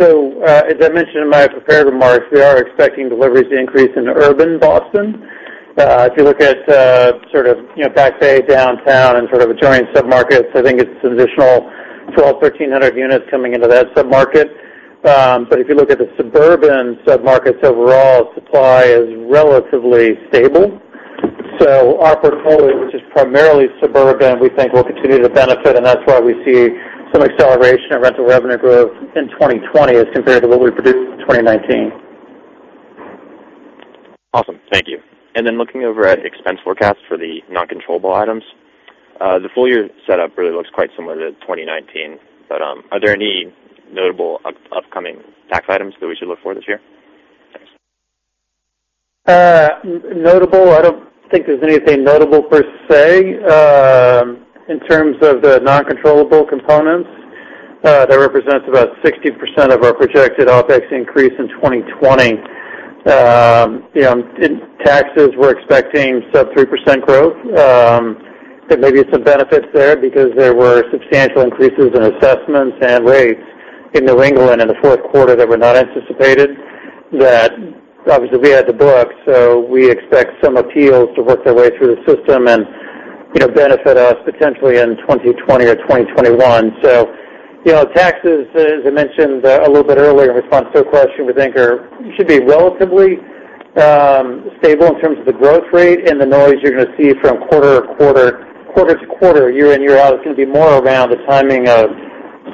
I mentioned in my prepared remarks, we are expecting deliveries to increase in urban Boston. If you look at Back Bay, downtown, and sort of adjoining sub-markets, I think it's an additional 1,200, 1,300 units coming into that sub-market. If you look at the suburban sub-markets overall, supply is relatively stable. Our portfolio, which is primarily suburban, we think will continue to benefit, and that's why we see some acceleration in rental revenue growth in 2020 as compared to what we produced in 2019. Awesome. Thank you. Looking over at expense forecast for the non-controllable items, the full-year setup really looks quite similar to 2019. Are there any notable upcoming tax items that we should look for this year? Thanks. Notable? I don't think there's anything notable per se. In terms of the non-controllable components, that represents about 60% of our projected OpEx increase in 2020. In taxes, we're expecting sub 3% growth. There may be some benefits there because there were substantial increases in assessments and rates in New England in the fourth quarter that were not anticipated, that obviously we had to book. We expect some appeals to work their way through the system and benefit us potentially in 2020 or 2021. Taxes, as I mentioned a little bit earlier in response to a question, we think should be relatively stable in terms of the growth rate and the noise you're going to see from quarter to quarter, year in, year out. It's going to be more around the timing of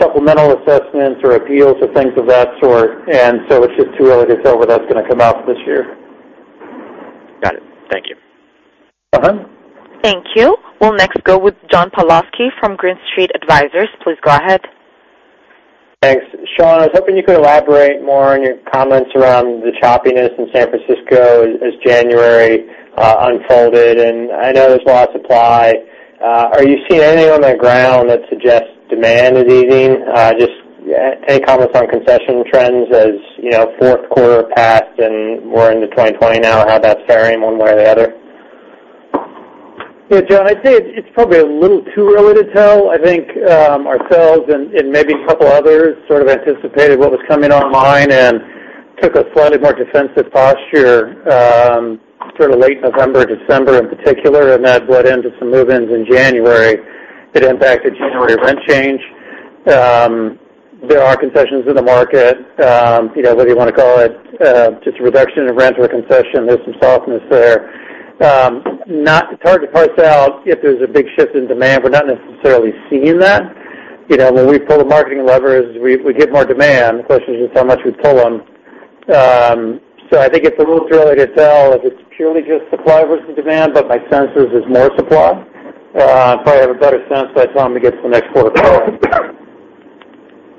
supplemental assessments or appeals or things of that sort. It's just too early to tell where that's going to come out this year. Got it. Thank you. Thank you. We'll next go with John Pawlowski from Green Street Advisors. Please go ahead. Thanks. Sean, I was hoping you could elaborate more on your comments around the choppiness in San Francisco as January unfolded. I know there's a lot of supply. Are you seeing anything on the ground that suggests demand is easing? Just any comments on concession trends as fourth quarter passed and we're into 2020 now, how that's faring one way or the other? Yeah, John, I'd say it's probably a little too early to tell. I think ourselves and maybe a couple others sort of anticipated what was coming online and took a slightly more defensive posture late November, December in particular, and that bled into some move-ins in January. It impacted January rent change. There are concessions in the market. Whether you want to call it just a reduction in rent or a concession, there's some softness there. It's hard to parse out if there's a big shift in demand. We're not necessarily seeing that. When we pull the marketing levers, we get more demand. The question is just how much we pull them. I think it's a little too early to tell if it's purely just supply versus demand, but my sense is there's more supply. We'll probably have a better sense by the time we get to the next quarter.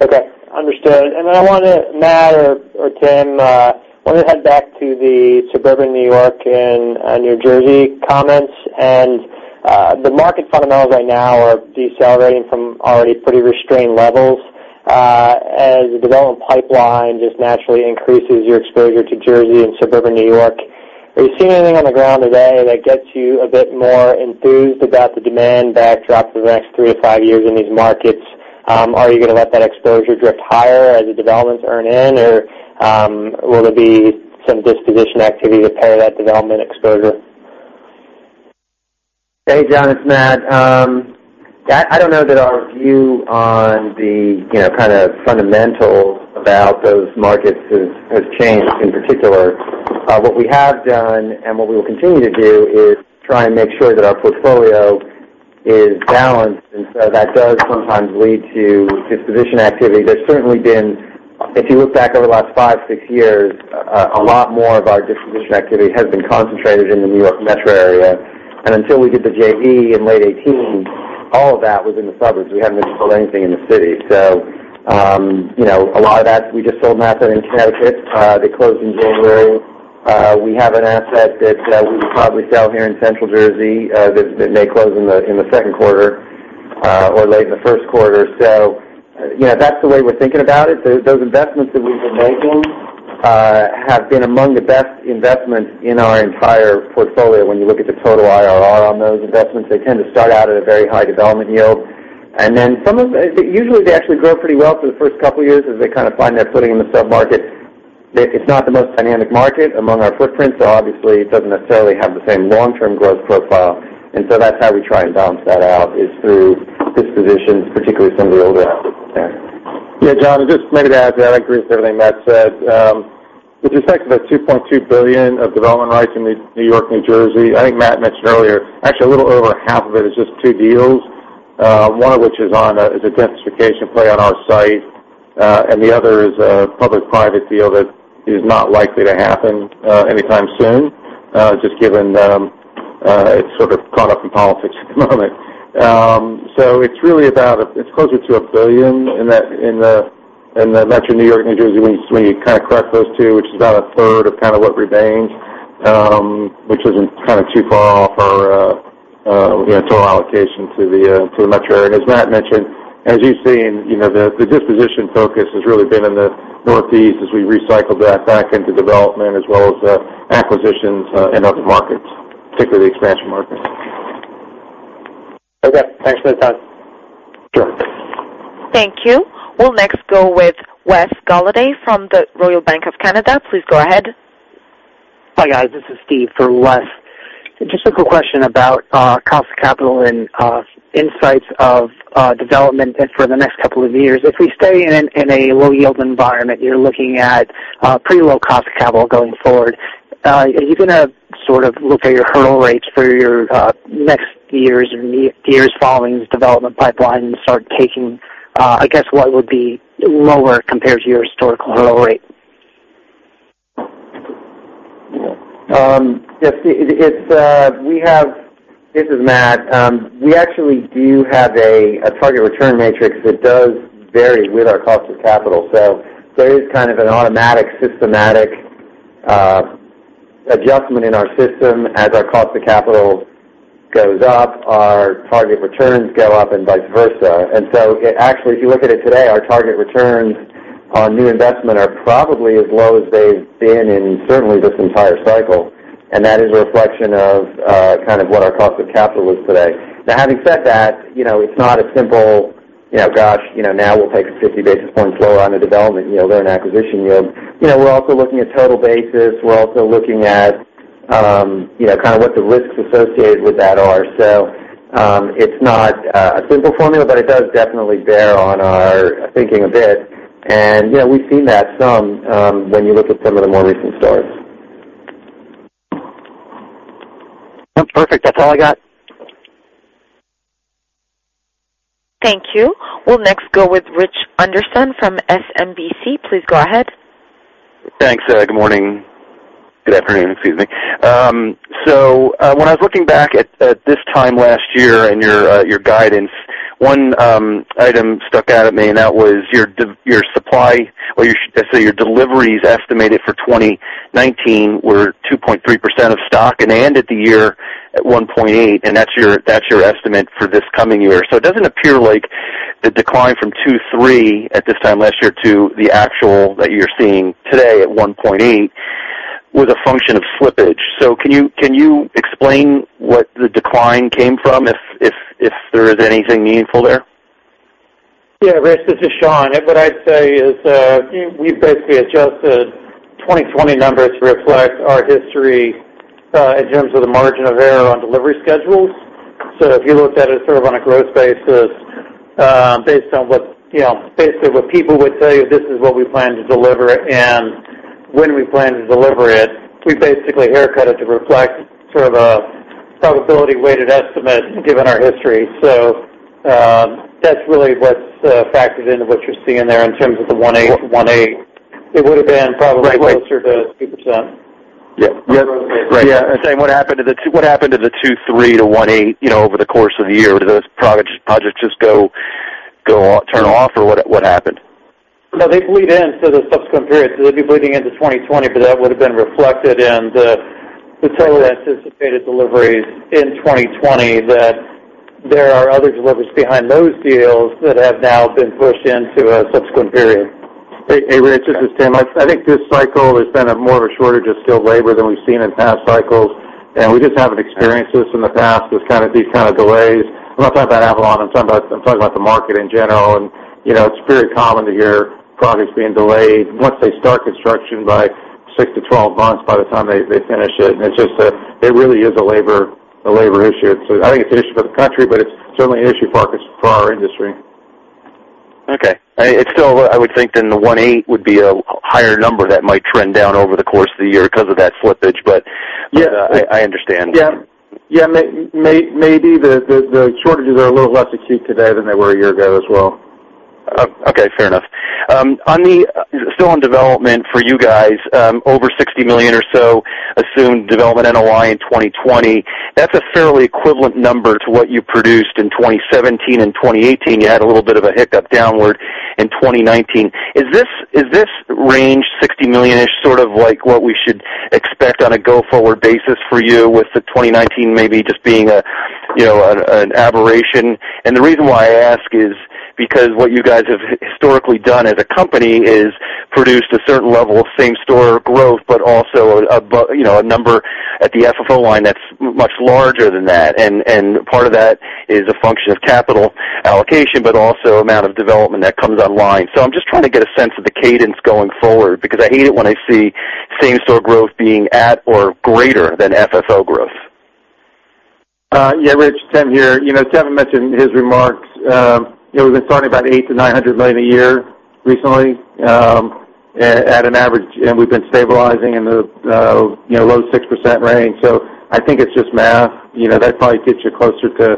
Okay. Understood. I want to, Matt or Tim, want to head back to the suburban New York and New Jersey comments, and the market fundamentals right now are decelerating from already pretty restrained levels. As the development pipeline just naturally increases your exposure to Jersey and suburban New York, are you seeing anything on the ground today that gets you a bit more enthused about the demand backdrop for the next three to five years in these markets? Are you going to let that exposure drift higher as the developments earn in, or will there be some disposition activity to pare that development exposure? Hey, John, it's Matt. I don't know that our view on the kind of fundamentals about those markets has changed in particular. What we have done and what we will continue to do is try and make sure that our portfolio is balanced, that does sometimes lead to disposition activity. There's certainly been, if you look back over the last five, six years, a lot more of our disposition activity has been concentrated in the New York metro area. Until we did the JV in late 2018, all of that was in the suburbs. We hadn't really sold anything in the city. A lot of that, we just sold an asset in Connecticut that closed in January. We have an asset that we will probably sell here in Central Jersey that may close in the second quarter or late in the first quarter. That's the way we're thinking about it. Those investments that we've been making have been among the best investments in our entire portfolio. When you look at the total IRR on those investments, they tend to start out at a very high development yield. Usually they actually grow pretty well for the first couple years as they kind of find their footing in the sub-market. It's not the most dynamic market among our footprint, so obviously it doesn't necessarily have the same long-term growth profile. That's how we try and balance that out, is through dispositions, particularly some of the older assets there. John, just maybe to add to that. I agree with everything Matt said. With respect to the $2.2 billion of development rights in New York, New Jersey, I think Matt mentioned earlier, actually a little over half of it is just two deals. One of which is a densification play on our site, and the other is a public-private deal that is not likely to happen anytime soon, just given it's sort of caught up in politics at the moment. It's really about, it's closer to $1 billion in the metro New York, New Jersey when you kind of correct those two, which is about a third of kind of what remains, which isn't too far off our total allocation to the metro area. As Matt mentioned, as you've seen, the disposition focus has really been in the Northeast as we recycle that back into development as well as acquisitions in other markets, particularly expansion markets. Okay. Thanks for the time. Sure. Thank you. We'll next go with Wes Golladay from the Royal Bank of Canada. Please go ahead. Hi, guys. This is Steve for Wes. Just a quick question about cost of capital and insights of development and for the next couple of years. If we stay in a low-yield environment, you're looking at pretty low cost of capital going forward. Are you going to look at your hurdle rates for your next years and the years following the development pipeline and start taking, I guess, what would be lower compared to your historical hurdle rate? This is Matt. We actually do have a target return matrix that does vary with our cost of capital. There is kind of an automatic, systematic adjustment in our system. As our cost of capital goes up, our target returns go up and vice versa. Actually, if you look at it today, our target returns on new investment are probably as low as they've been in certainly this entire cycle, and that is a reflection of what our cost of capital is today. Now, having said that, it's not a simple, gosh, now we'll take 50 basis points lower on a development than an acquisition yield. We're also looking at total basis. We're also looking at kind of what the risks associated with that are. It's not a simple formula, but it does definitely bear on our thinking a bit. We've seen that some when you look at some of the more recent starts. Oh, perfect. That's all I got. Thank you. We'll next go with Rich Anderson from SMBC. Please go ahead. Thanks. Good morning. Good afternoon. Excuse me. When I was looking back at this time last year and your guidance, one item stuck out at me. That was your supply or your deliveries estimated for 2019 were 2.3% of stock. They ended the year at 1.8%, and that's your estimate for this coming year. It doesn't appear like the decline from 2.3% at this time last year to the actual that you're seeing today at 1.8% was a function of slippage. Can you explain what the decline came from if there is anything meaningful there? Yeah. Rich, this is Sean. What I'd say is we've basically adjusted 2020 numbers to reflect our history in terms of the margin of error on delivery schedules. If you looked at it sort of on a growth basis based on what people would tell you, this is what we plan to deliver and when we plan to deliver it, we basically haircut it to reflect sort of a probability-weighted estimate given our history. That's really what's factored into what you're seeing there in terms of the 1.8%. It would've been probably closer to 2%. Yeah. Right. Yeah. I'm saying, what happened to the 2.3%-1.8% over the course of the year? Do those projects just turn off, or what happened? No, they bleed in, so the subsequent period. They'd be bleeding into 2020, but that would've been reflected in the total anticipated deliveries in 2020, that there are other deliveries behind those deals that have now been pushed into a subsequent period. Hey, Rich, this is Tim. I think this cycle has been a more of a shortage of skilled labor than we've seen in past cycles, and we just haven't experienced this in the past, these kind of delays. I'm not talking about Avalon, I'm talking about the market in general, and it's very common to hear projects being delayed once they start construction by 6-12 months by the time they finish it. It really is a labor issue. I think it's an issue for the country, but it's certainly an issue for our industry. Okay. I would think the 1.8 would be a higher number that might trend down over the course of the year because of that slippage. I understand. Yeah. Maybe the shortages are a little less acute today than they were a year ago as well. Okay. Fair enough. Still on development for you guys, over $60 million or so assumed development NOI in 2020. That's a fairly equivalent number to what you produced in 2017 and 2018. You had a little bit of a hiccup downward in 2019. Is this range, $60 million-ish, sort of like what we should expect on a go-forward basis for you with the 2019 maybe just being an aberration? The reason why I ask is because what you guys have historically done as a company is produced a certain level of same-store growth, but also a number at the FFO line that's much larger than that. Part of that is a function of capital allocation, but also amount of development that comes online. I'm just trying to get a sense of the cadence going forward because I hate it when I see same-store growth being at or greater than FFO growth. Yeah. Rich, Tim here. Kevin mentioned in his remarks we've been talking about $800 million-$900 million a year recently at an average. We've been stabilizing in the low 6% range. I think it's just math. That probably gets you closer to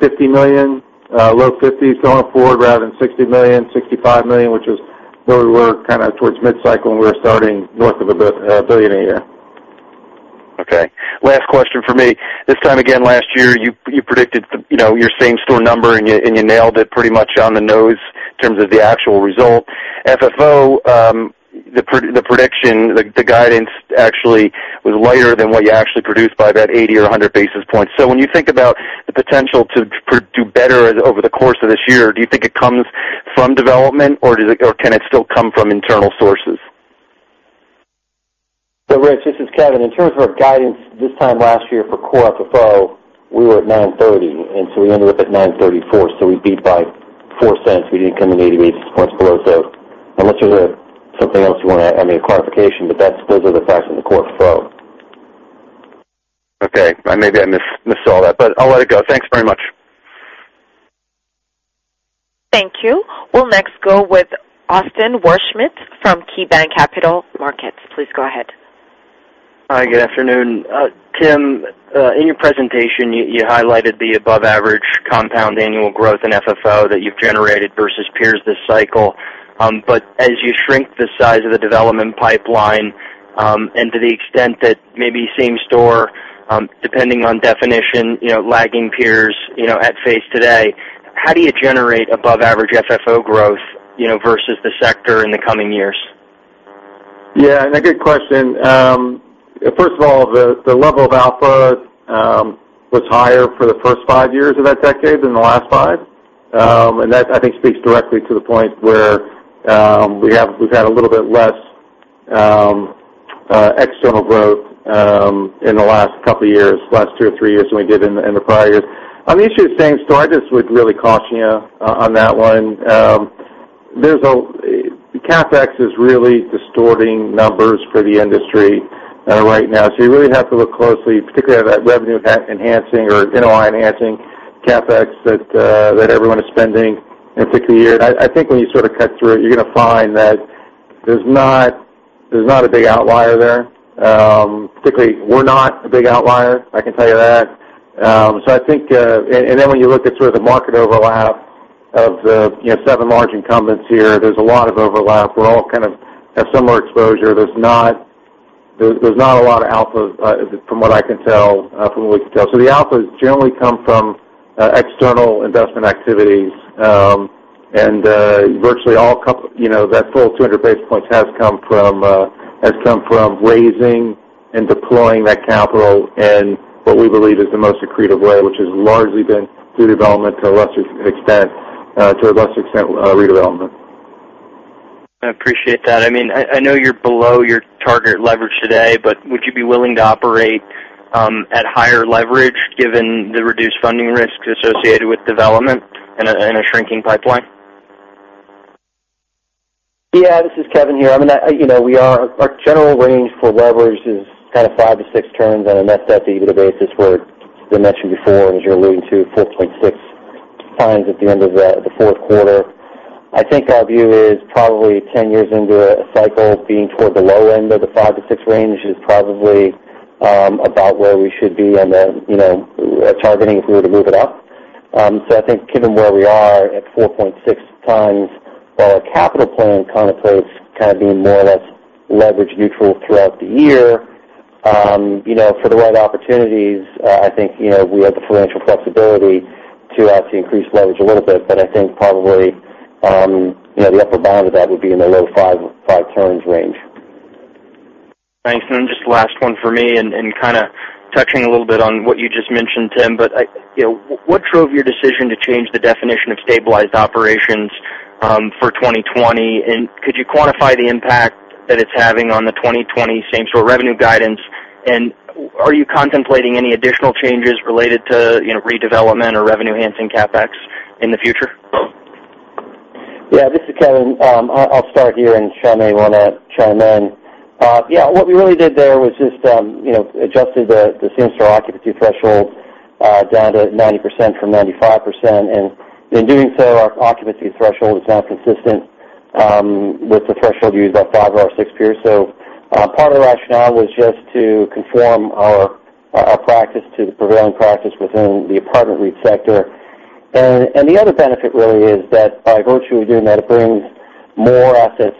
$50 million, low 50s going forward rather than $60 million, $65 million, which is where we were kind of towards mid-cycle. We were starting north of a billion a year. Okay. Last question for me. This time again last year, you predicted your same-store number, and you nailed it pretty much on the nose in terms of the actual result. FFO, the prediction, the guidance actually was lighter than what you actually produced by about 80 or 100 basis points. When you think about the potential to do better over the course of this year, do you think it comes from development, or can it still come from internal sources? Rich, this is Kevin. In terms of our guidance this time last year for Core FFO, we were at $9.30, and so we ended up at $9.34, so we beat by $0.04. We didn't come in 80 basis points below. Unless there's something else you want, I mean, a clarification, but those are the facts from the Core FFO. Okay. Maybe I missed all that, but I'll let it go. Thanks very much. Thank you. We'll next go with Austin Wurschmidt from KeyBanc Capital Markets. Please go ahead. Hi, good afternoon. Tim, in your presentation, you highlighted the above-average compound annual growth in FFO that you've generated versus peers this cycle. As you shrink the size of the development pipeline, and to the extent that maybe same store, depending on definition, lagging peers at face today, how do you generate above-average FFO growth versus the sector in the coming years? Yeah, a good question. First of all, the level of alpha was higher for the first five years of that decade than the last five. That, I think, speaks directly to the point where we've had a little bit less external growth in the last couple of years, last two or three years than we did in the prior years. On the issue of same store, I just would really caution you on that one. CapEx is really distorting numbers for the industry right now. You really have to look closely, particularly at that revenue-enhancing or NOI-enhancing CapEx that everyone is spending in a particular year. I think when you sort of cut through it, you're going to find that there's not a big outlier there. Particularly, we're not a big outlier, I can tell you that. When you look at sort of the market overlap of the seven large incumbents here, there's a lot of overlap. We all kind of have similar exposure. There's not a lot of alpha from what I can tell, from what we can tell. The alphas generally come from external investment activities. Virtually, that full 200 basis points has come from raising and deploying that capital in what we believe is the most accretive way, which has largely been through development, to a lesser extent, redevelopment. I appreciate that. I know you're below your target leverage today, but would you be willing to operate at higher leverage given the reduced funding risks associated with development and a shrinking pipeline? Yeah. This is Kevin here. Our general range for leverage is kind of five to six turns on a net debt to EBITDA basis, where we mentioned before, as you're alluding to, 4.6x at the end of the fourth quarter. I think our view is probably 10 years into a cycle, being toward the low end of the five to six range is probably about where we should be. Then targeting if we were to move it up. I think given where we are at 4.6x, our capital plan contemplates kind of being more or less leverage neutral throughout the year. For the right opportunities, I think we have the financial flexibility to obviously increase leverage a little bit, I think probably the upper bound of that would be in the low five turns range. Thanks. Then just the last one for me, and kind of touching a little bit on what you just mentioned, Tim. What drove your decision to change the definition of stabilized operations for 2020, and could you quantify the impact that it's having on the 2020 same-store revenue guidance? Are you contemplating any additional changes related to redevelopment or revenue-enhancing CapEx in the future? Yeah. This is Kevin. I'll start here, and Sean may want to chime in. Yeah. What we really did there was just adjusted the same-store occupancy threshold down to 90% from 95%. In doing so, our occupancy threshold is now consistent with the threshold used by five of our six peers. Part of the rationale was just to conform our practice to the prevailing practice within the apartment REIT sector. The other benefit really is that by virtually doing that, it brings more assets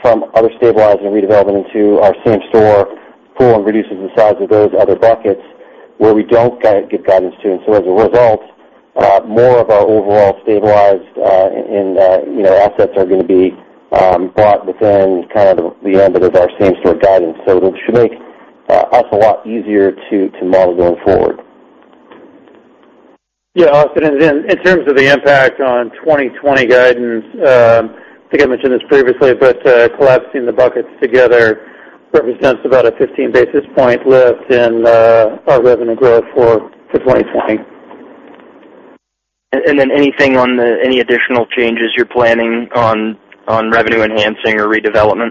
from other stabilized and redevelopment into our same-store pool and reduces the size of those other buckets where we don't give guidance to. As a result, more of our overall stabilized and assets are going to be brought within kind of the ambit of our same-store guidance. This should make us a lot easier to model going forward. Yeah, Austin. In terms of the impact on 2020 guidance, I think I mentioned this previously, but collapsing the buckets together represents about a 15 basis point lift in our revenue growth for 2020. Anything on any additional changes you're planning on revenue enhancing or redevelopment?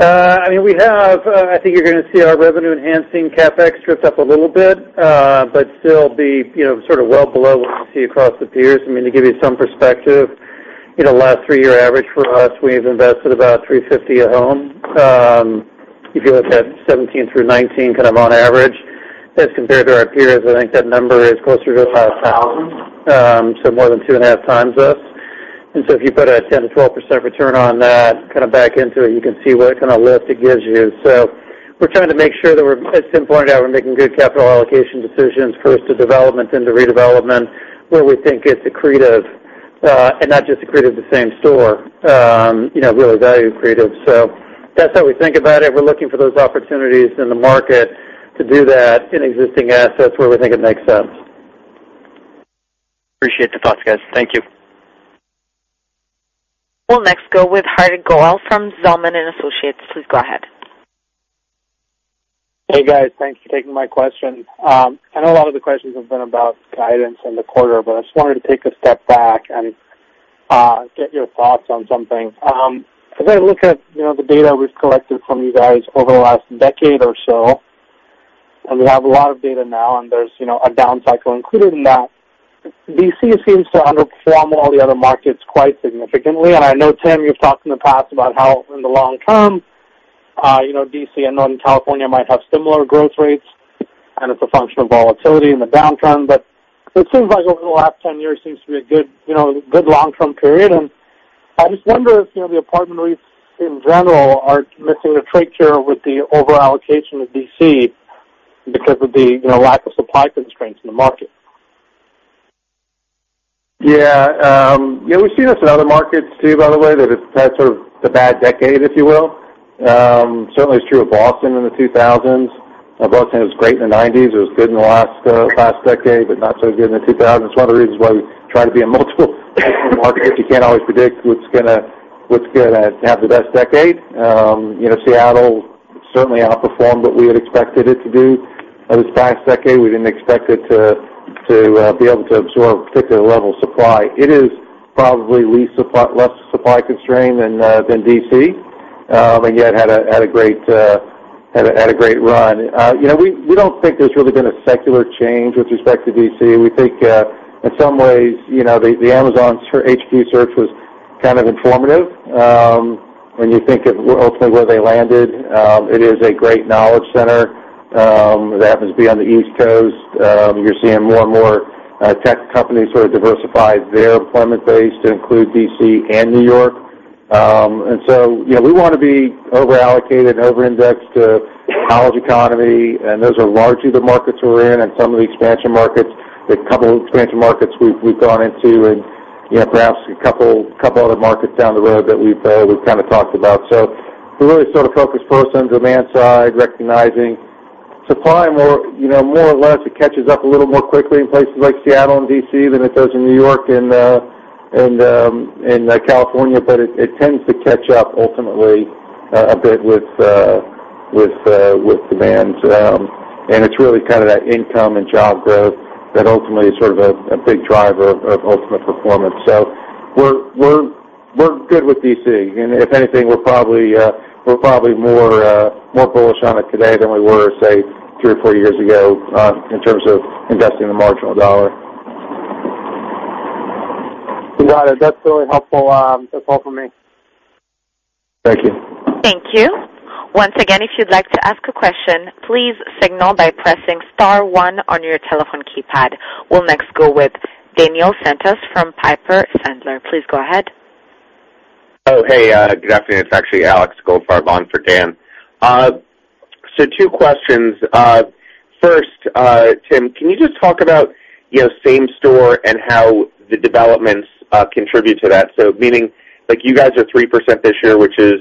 I think you're going to see our revenue-enhancing CapEx drift up a little bit, but still be sort of well below what you see across the peers. To give you some perspective, last three-year average for us, we've invested about $350 a home. If you look at 2017 through 2019, kind of on average, as compared to our peers, I think that number is closer to $5,000. More than 2.5x us. If you put a 10%-12% return on that, kind of back into it, you can see what kind of lift it gives you. We're trying to make sure that, as Tim pointed out, we're making good capital allocation decisions first to development, then to redevelopment, where we think it's accretive, and not just accretive to same store, really value accretive. That's how we think about it. We're looking for those opportunities in the market to do that in existing assets where we think it makes sense. Appreciate the thoughts, guys. Thank you. We'll next go with Hardik Goel from Zelman & Associates. Please go ahead. Hey, guys. Thanks for taking my question. I know a lot of the questions have been about guidance and the quarter, but I just wanted to take a step back and get your thoughts on something. As I look at the data we've collected from you guys over the last decade or so. We have a lot of data now, and there's a down cycle included in that. D.C. seems to underperform all the other markets quite significantly. I know, Tim, you've talked in the past about how in the long term, D.C. and Northern California might have similar growth rates, and it's a function of volatility in the downturn. It seems like over the last 10 years seems to be a good long-term period. I just wonder if the apartment REITs in general are missing a trick here with the overallocation of D.C. because of the lack of supply constraints in the market. Yeah. We see this in other markets too, by the way, that it's had sort of the bad decade, if you will. Certainly, it's true of Boston in the 2000s. Boston was great in the '90s. It was good in the last decade, but not so good in the 2000s. One of the reasons why we try to be in multiple markets, you can't always predict what's going to have the best decade. Seattle certainly outperformed what we had expected it to do this past decade. We didn't expect it to be able to absorb a particular level of supply. It is probably less supply-constrained than D.C., and yet had a great run. We don't think there's really been a secular change with respect to D.C. We think in some ways, the Amazon HQ search was kind of informative. When you think of ultimately where they landed, it is a great knowledge center that happens to be on the East Coast. You're seeing more and more tech companies sort of diversify their employment base to include D.C. and New York. We want to be overallocated and overindexed to the knowledge economy, and those are largely the markets we're in and some of the expansion markets. A couple of expansion markets we've gone into and perhaps a couple other markets down the road that we've kind of talked about. We're really sort of focused post on demand side, recognizing supply more or less, it catches up a little more quickly in places like Seattle and D.C. than it does in New York and California. It tends to catch up ultimately a bit with demand. It's really kind of that income and job growth that ultimately is sort of a big driver of ultimate performance. We're good with D.C. If anything, we're probably more bullish on it today than we were, say, three or four years ago in terms of investing the marginal dollar. Got it. That's really helpful. That's all for me. Thank you. Thank you. Once again, if you'd like to ask a question, please signal by pressing star one on your telephone keypad. We'll next go with Daniel Santos from Piper Sandler. Please go ahead. Oh, hey, good afternoon. It's actually Alexander Goldfarb on for Dan. Two questions. First, Tim, can you just talk about same-store and how the developments contribute to that? Meaning, you guys are 3% this year, which is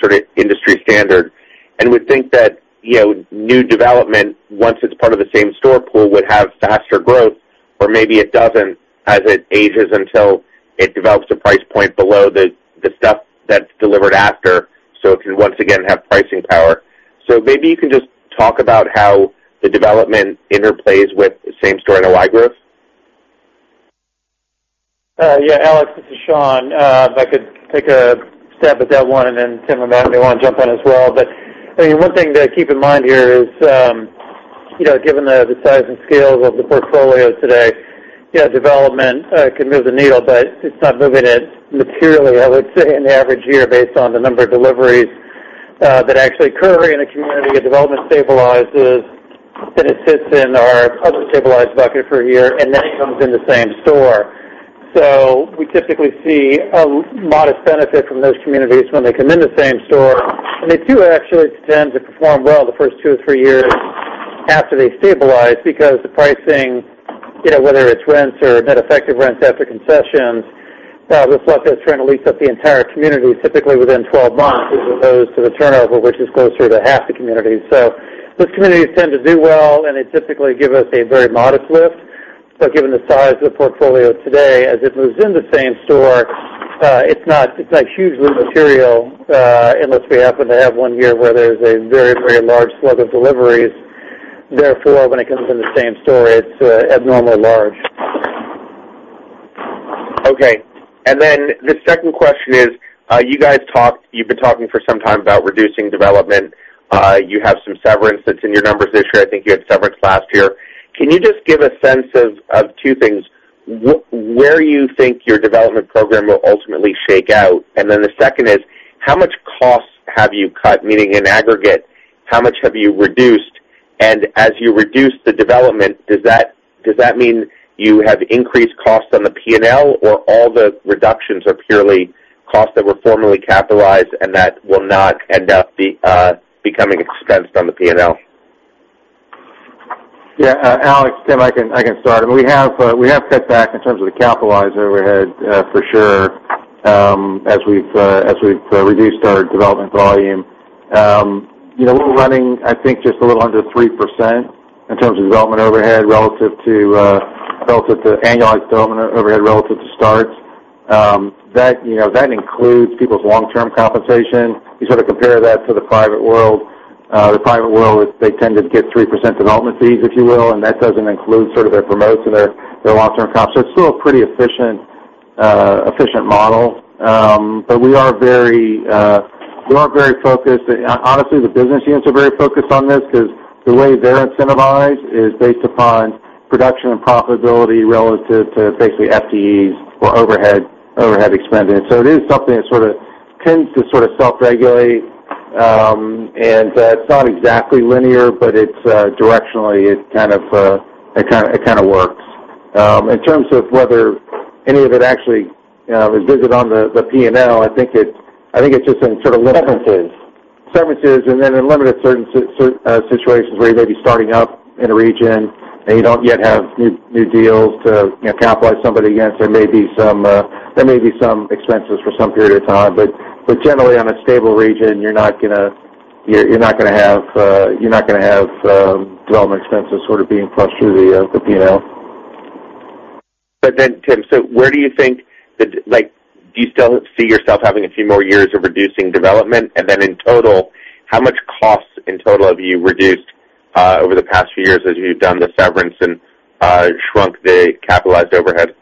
sort of industry standard, and would think that new development, once it's part of the same-store pool, would have faster growth or maybe it doesn't as it ages until it develops a price point below the stuff that's delivered after, so it can once again have pricing power. Maybe you can just talk about how the development interplays with same-store NOI growth. Yeah, Alex, this is Sean. If I could take a stab at that one, then Tim and Matt may want to jump in as well. One thing to keep in mind here is, given the size and scale of the portfolio today, development can move the needle, but it's not moving it materially, I would say, in the average year based on the number of deliveries that actually occur in a community. A development stabilizes, it sits in our other stabilized bucket for a year, then it comes in the same store. We typically see a modest benefit from those communities when they come in the same store. They do actually tend to perform well the first two or three years after they stabilize because the pricing, whether it's rents or net effective rents after concessions, this bucket is trying to lease up the entire community typically within 12 months as opposed to the turnover, which is closer to half the community. Those communities tend to do well, and they typically give us a very modest lift. Given the size of the portfolio today, as it moves in the same store, it's not hugely material unless we happen to have one year where there's a very, very large slug of deliveries. Therefore, when it comes in the same store, it's abnormally large. Okay. The second question is, you guys, you've been talking for some time about reducing development. You have some severance that's in your numbers this year. I think you had severance last year. Can you just give a sense of two things, where you think your development program will ultimately shake out? The second is, how much cost have you cut? Meaning in aggregate, how much have you reduced? As you reduce the development, does that mean you have increased costs on the P&L or all the reductions are purely costs that were formerly capitalized and that will not end up becoming expensed on the P&L? Yeah. Alex, Tim, I can start. We have cut back in terms of the capitalized overhead for sure as we've reduced our development volume. We're running, I think, just a little under 3% in terms of development overhead relative to annualized development overhead relative to starts. That includes people's long-term compensation. You sort of compare that to the private world. The private world, they tend to get 3% development fees, if you will, and that doesn't include sort of their promotes or their long-term comp. It's still a pretty efficient model. We are very focused. Honestly, the business units are very focused on this because the way they're incentivized is based upon production and profitability relative to basically FTEs or overhead expenditure. It is something that tends to sort of self-regulate, and it's not exactly linear, but directionally it kind of works. In terms of whether any of it actually is visible on the P&L, I think it's just in sort of limited- Severances. Severances. In limited certain situations where you may be starting up in a region and you don't yet have new deals to capitalize somebody against. There may be some expenses for some period of time, but generally, on a stable region, you're not going to have development expenses sort of being crushed through the P&L. Tim, do you still see yourself having a few more years of reducing development? In total, how much cost in total have you reduced over the past few years as you've done the severance and shrunk the capitalized overhead?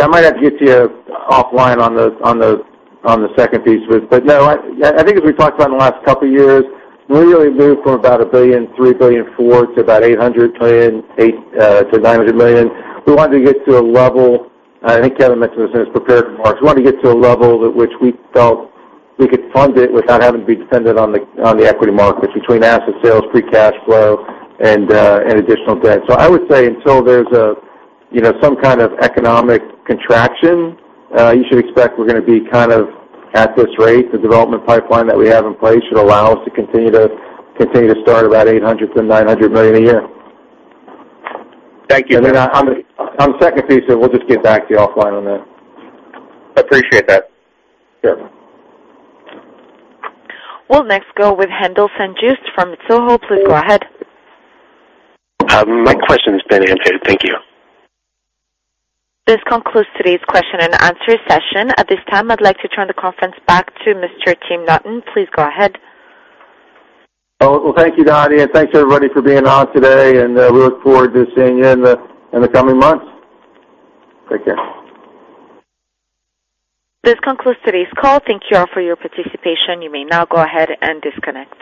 I might have to get to you offline on the second piece. I think as we talked about in the last couple of years, we really moved from about $1.3 billion, $1.4 billion to about $800 million-$900 million. We wanted to get to a level, I think Kevin mentioned this in his prepared remarks. We wanted to get to a level at which we felt we could fund it without having to be dependent on the equity markets between asset sales, free cash flow, and additional debt. I would say until there's some kind of economic contraction, you should expect we're going to be kind of at this rate. The development pipeline that we have in place should allow us to continue to start about $800 million-$900 million a year. Thank you. On the second piece, we'll just get back to you offline on that. I appreciate that. Sure. We'll next go with Haendel St. Juste from Mizuho. Please go ahead. My question's been answered. Thank you. This concludes today's question and answer session. At this time, I'd like to turn the conference back to Mr. Tim Naughton. Please go ahead. Oh, well, thank you, Nadia. Thanks, everybody, for being on today, and we look forward to seeing you in the coming months. Take care. This concludes today's call. Thank you all for your participation. You may now go ahead and disconnect.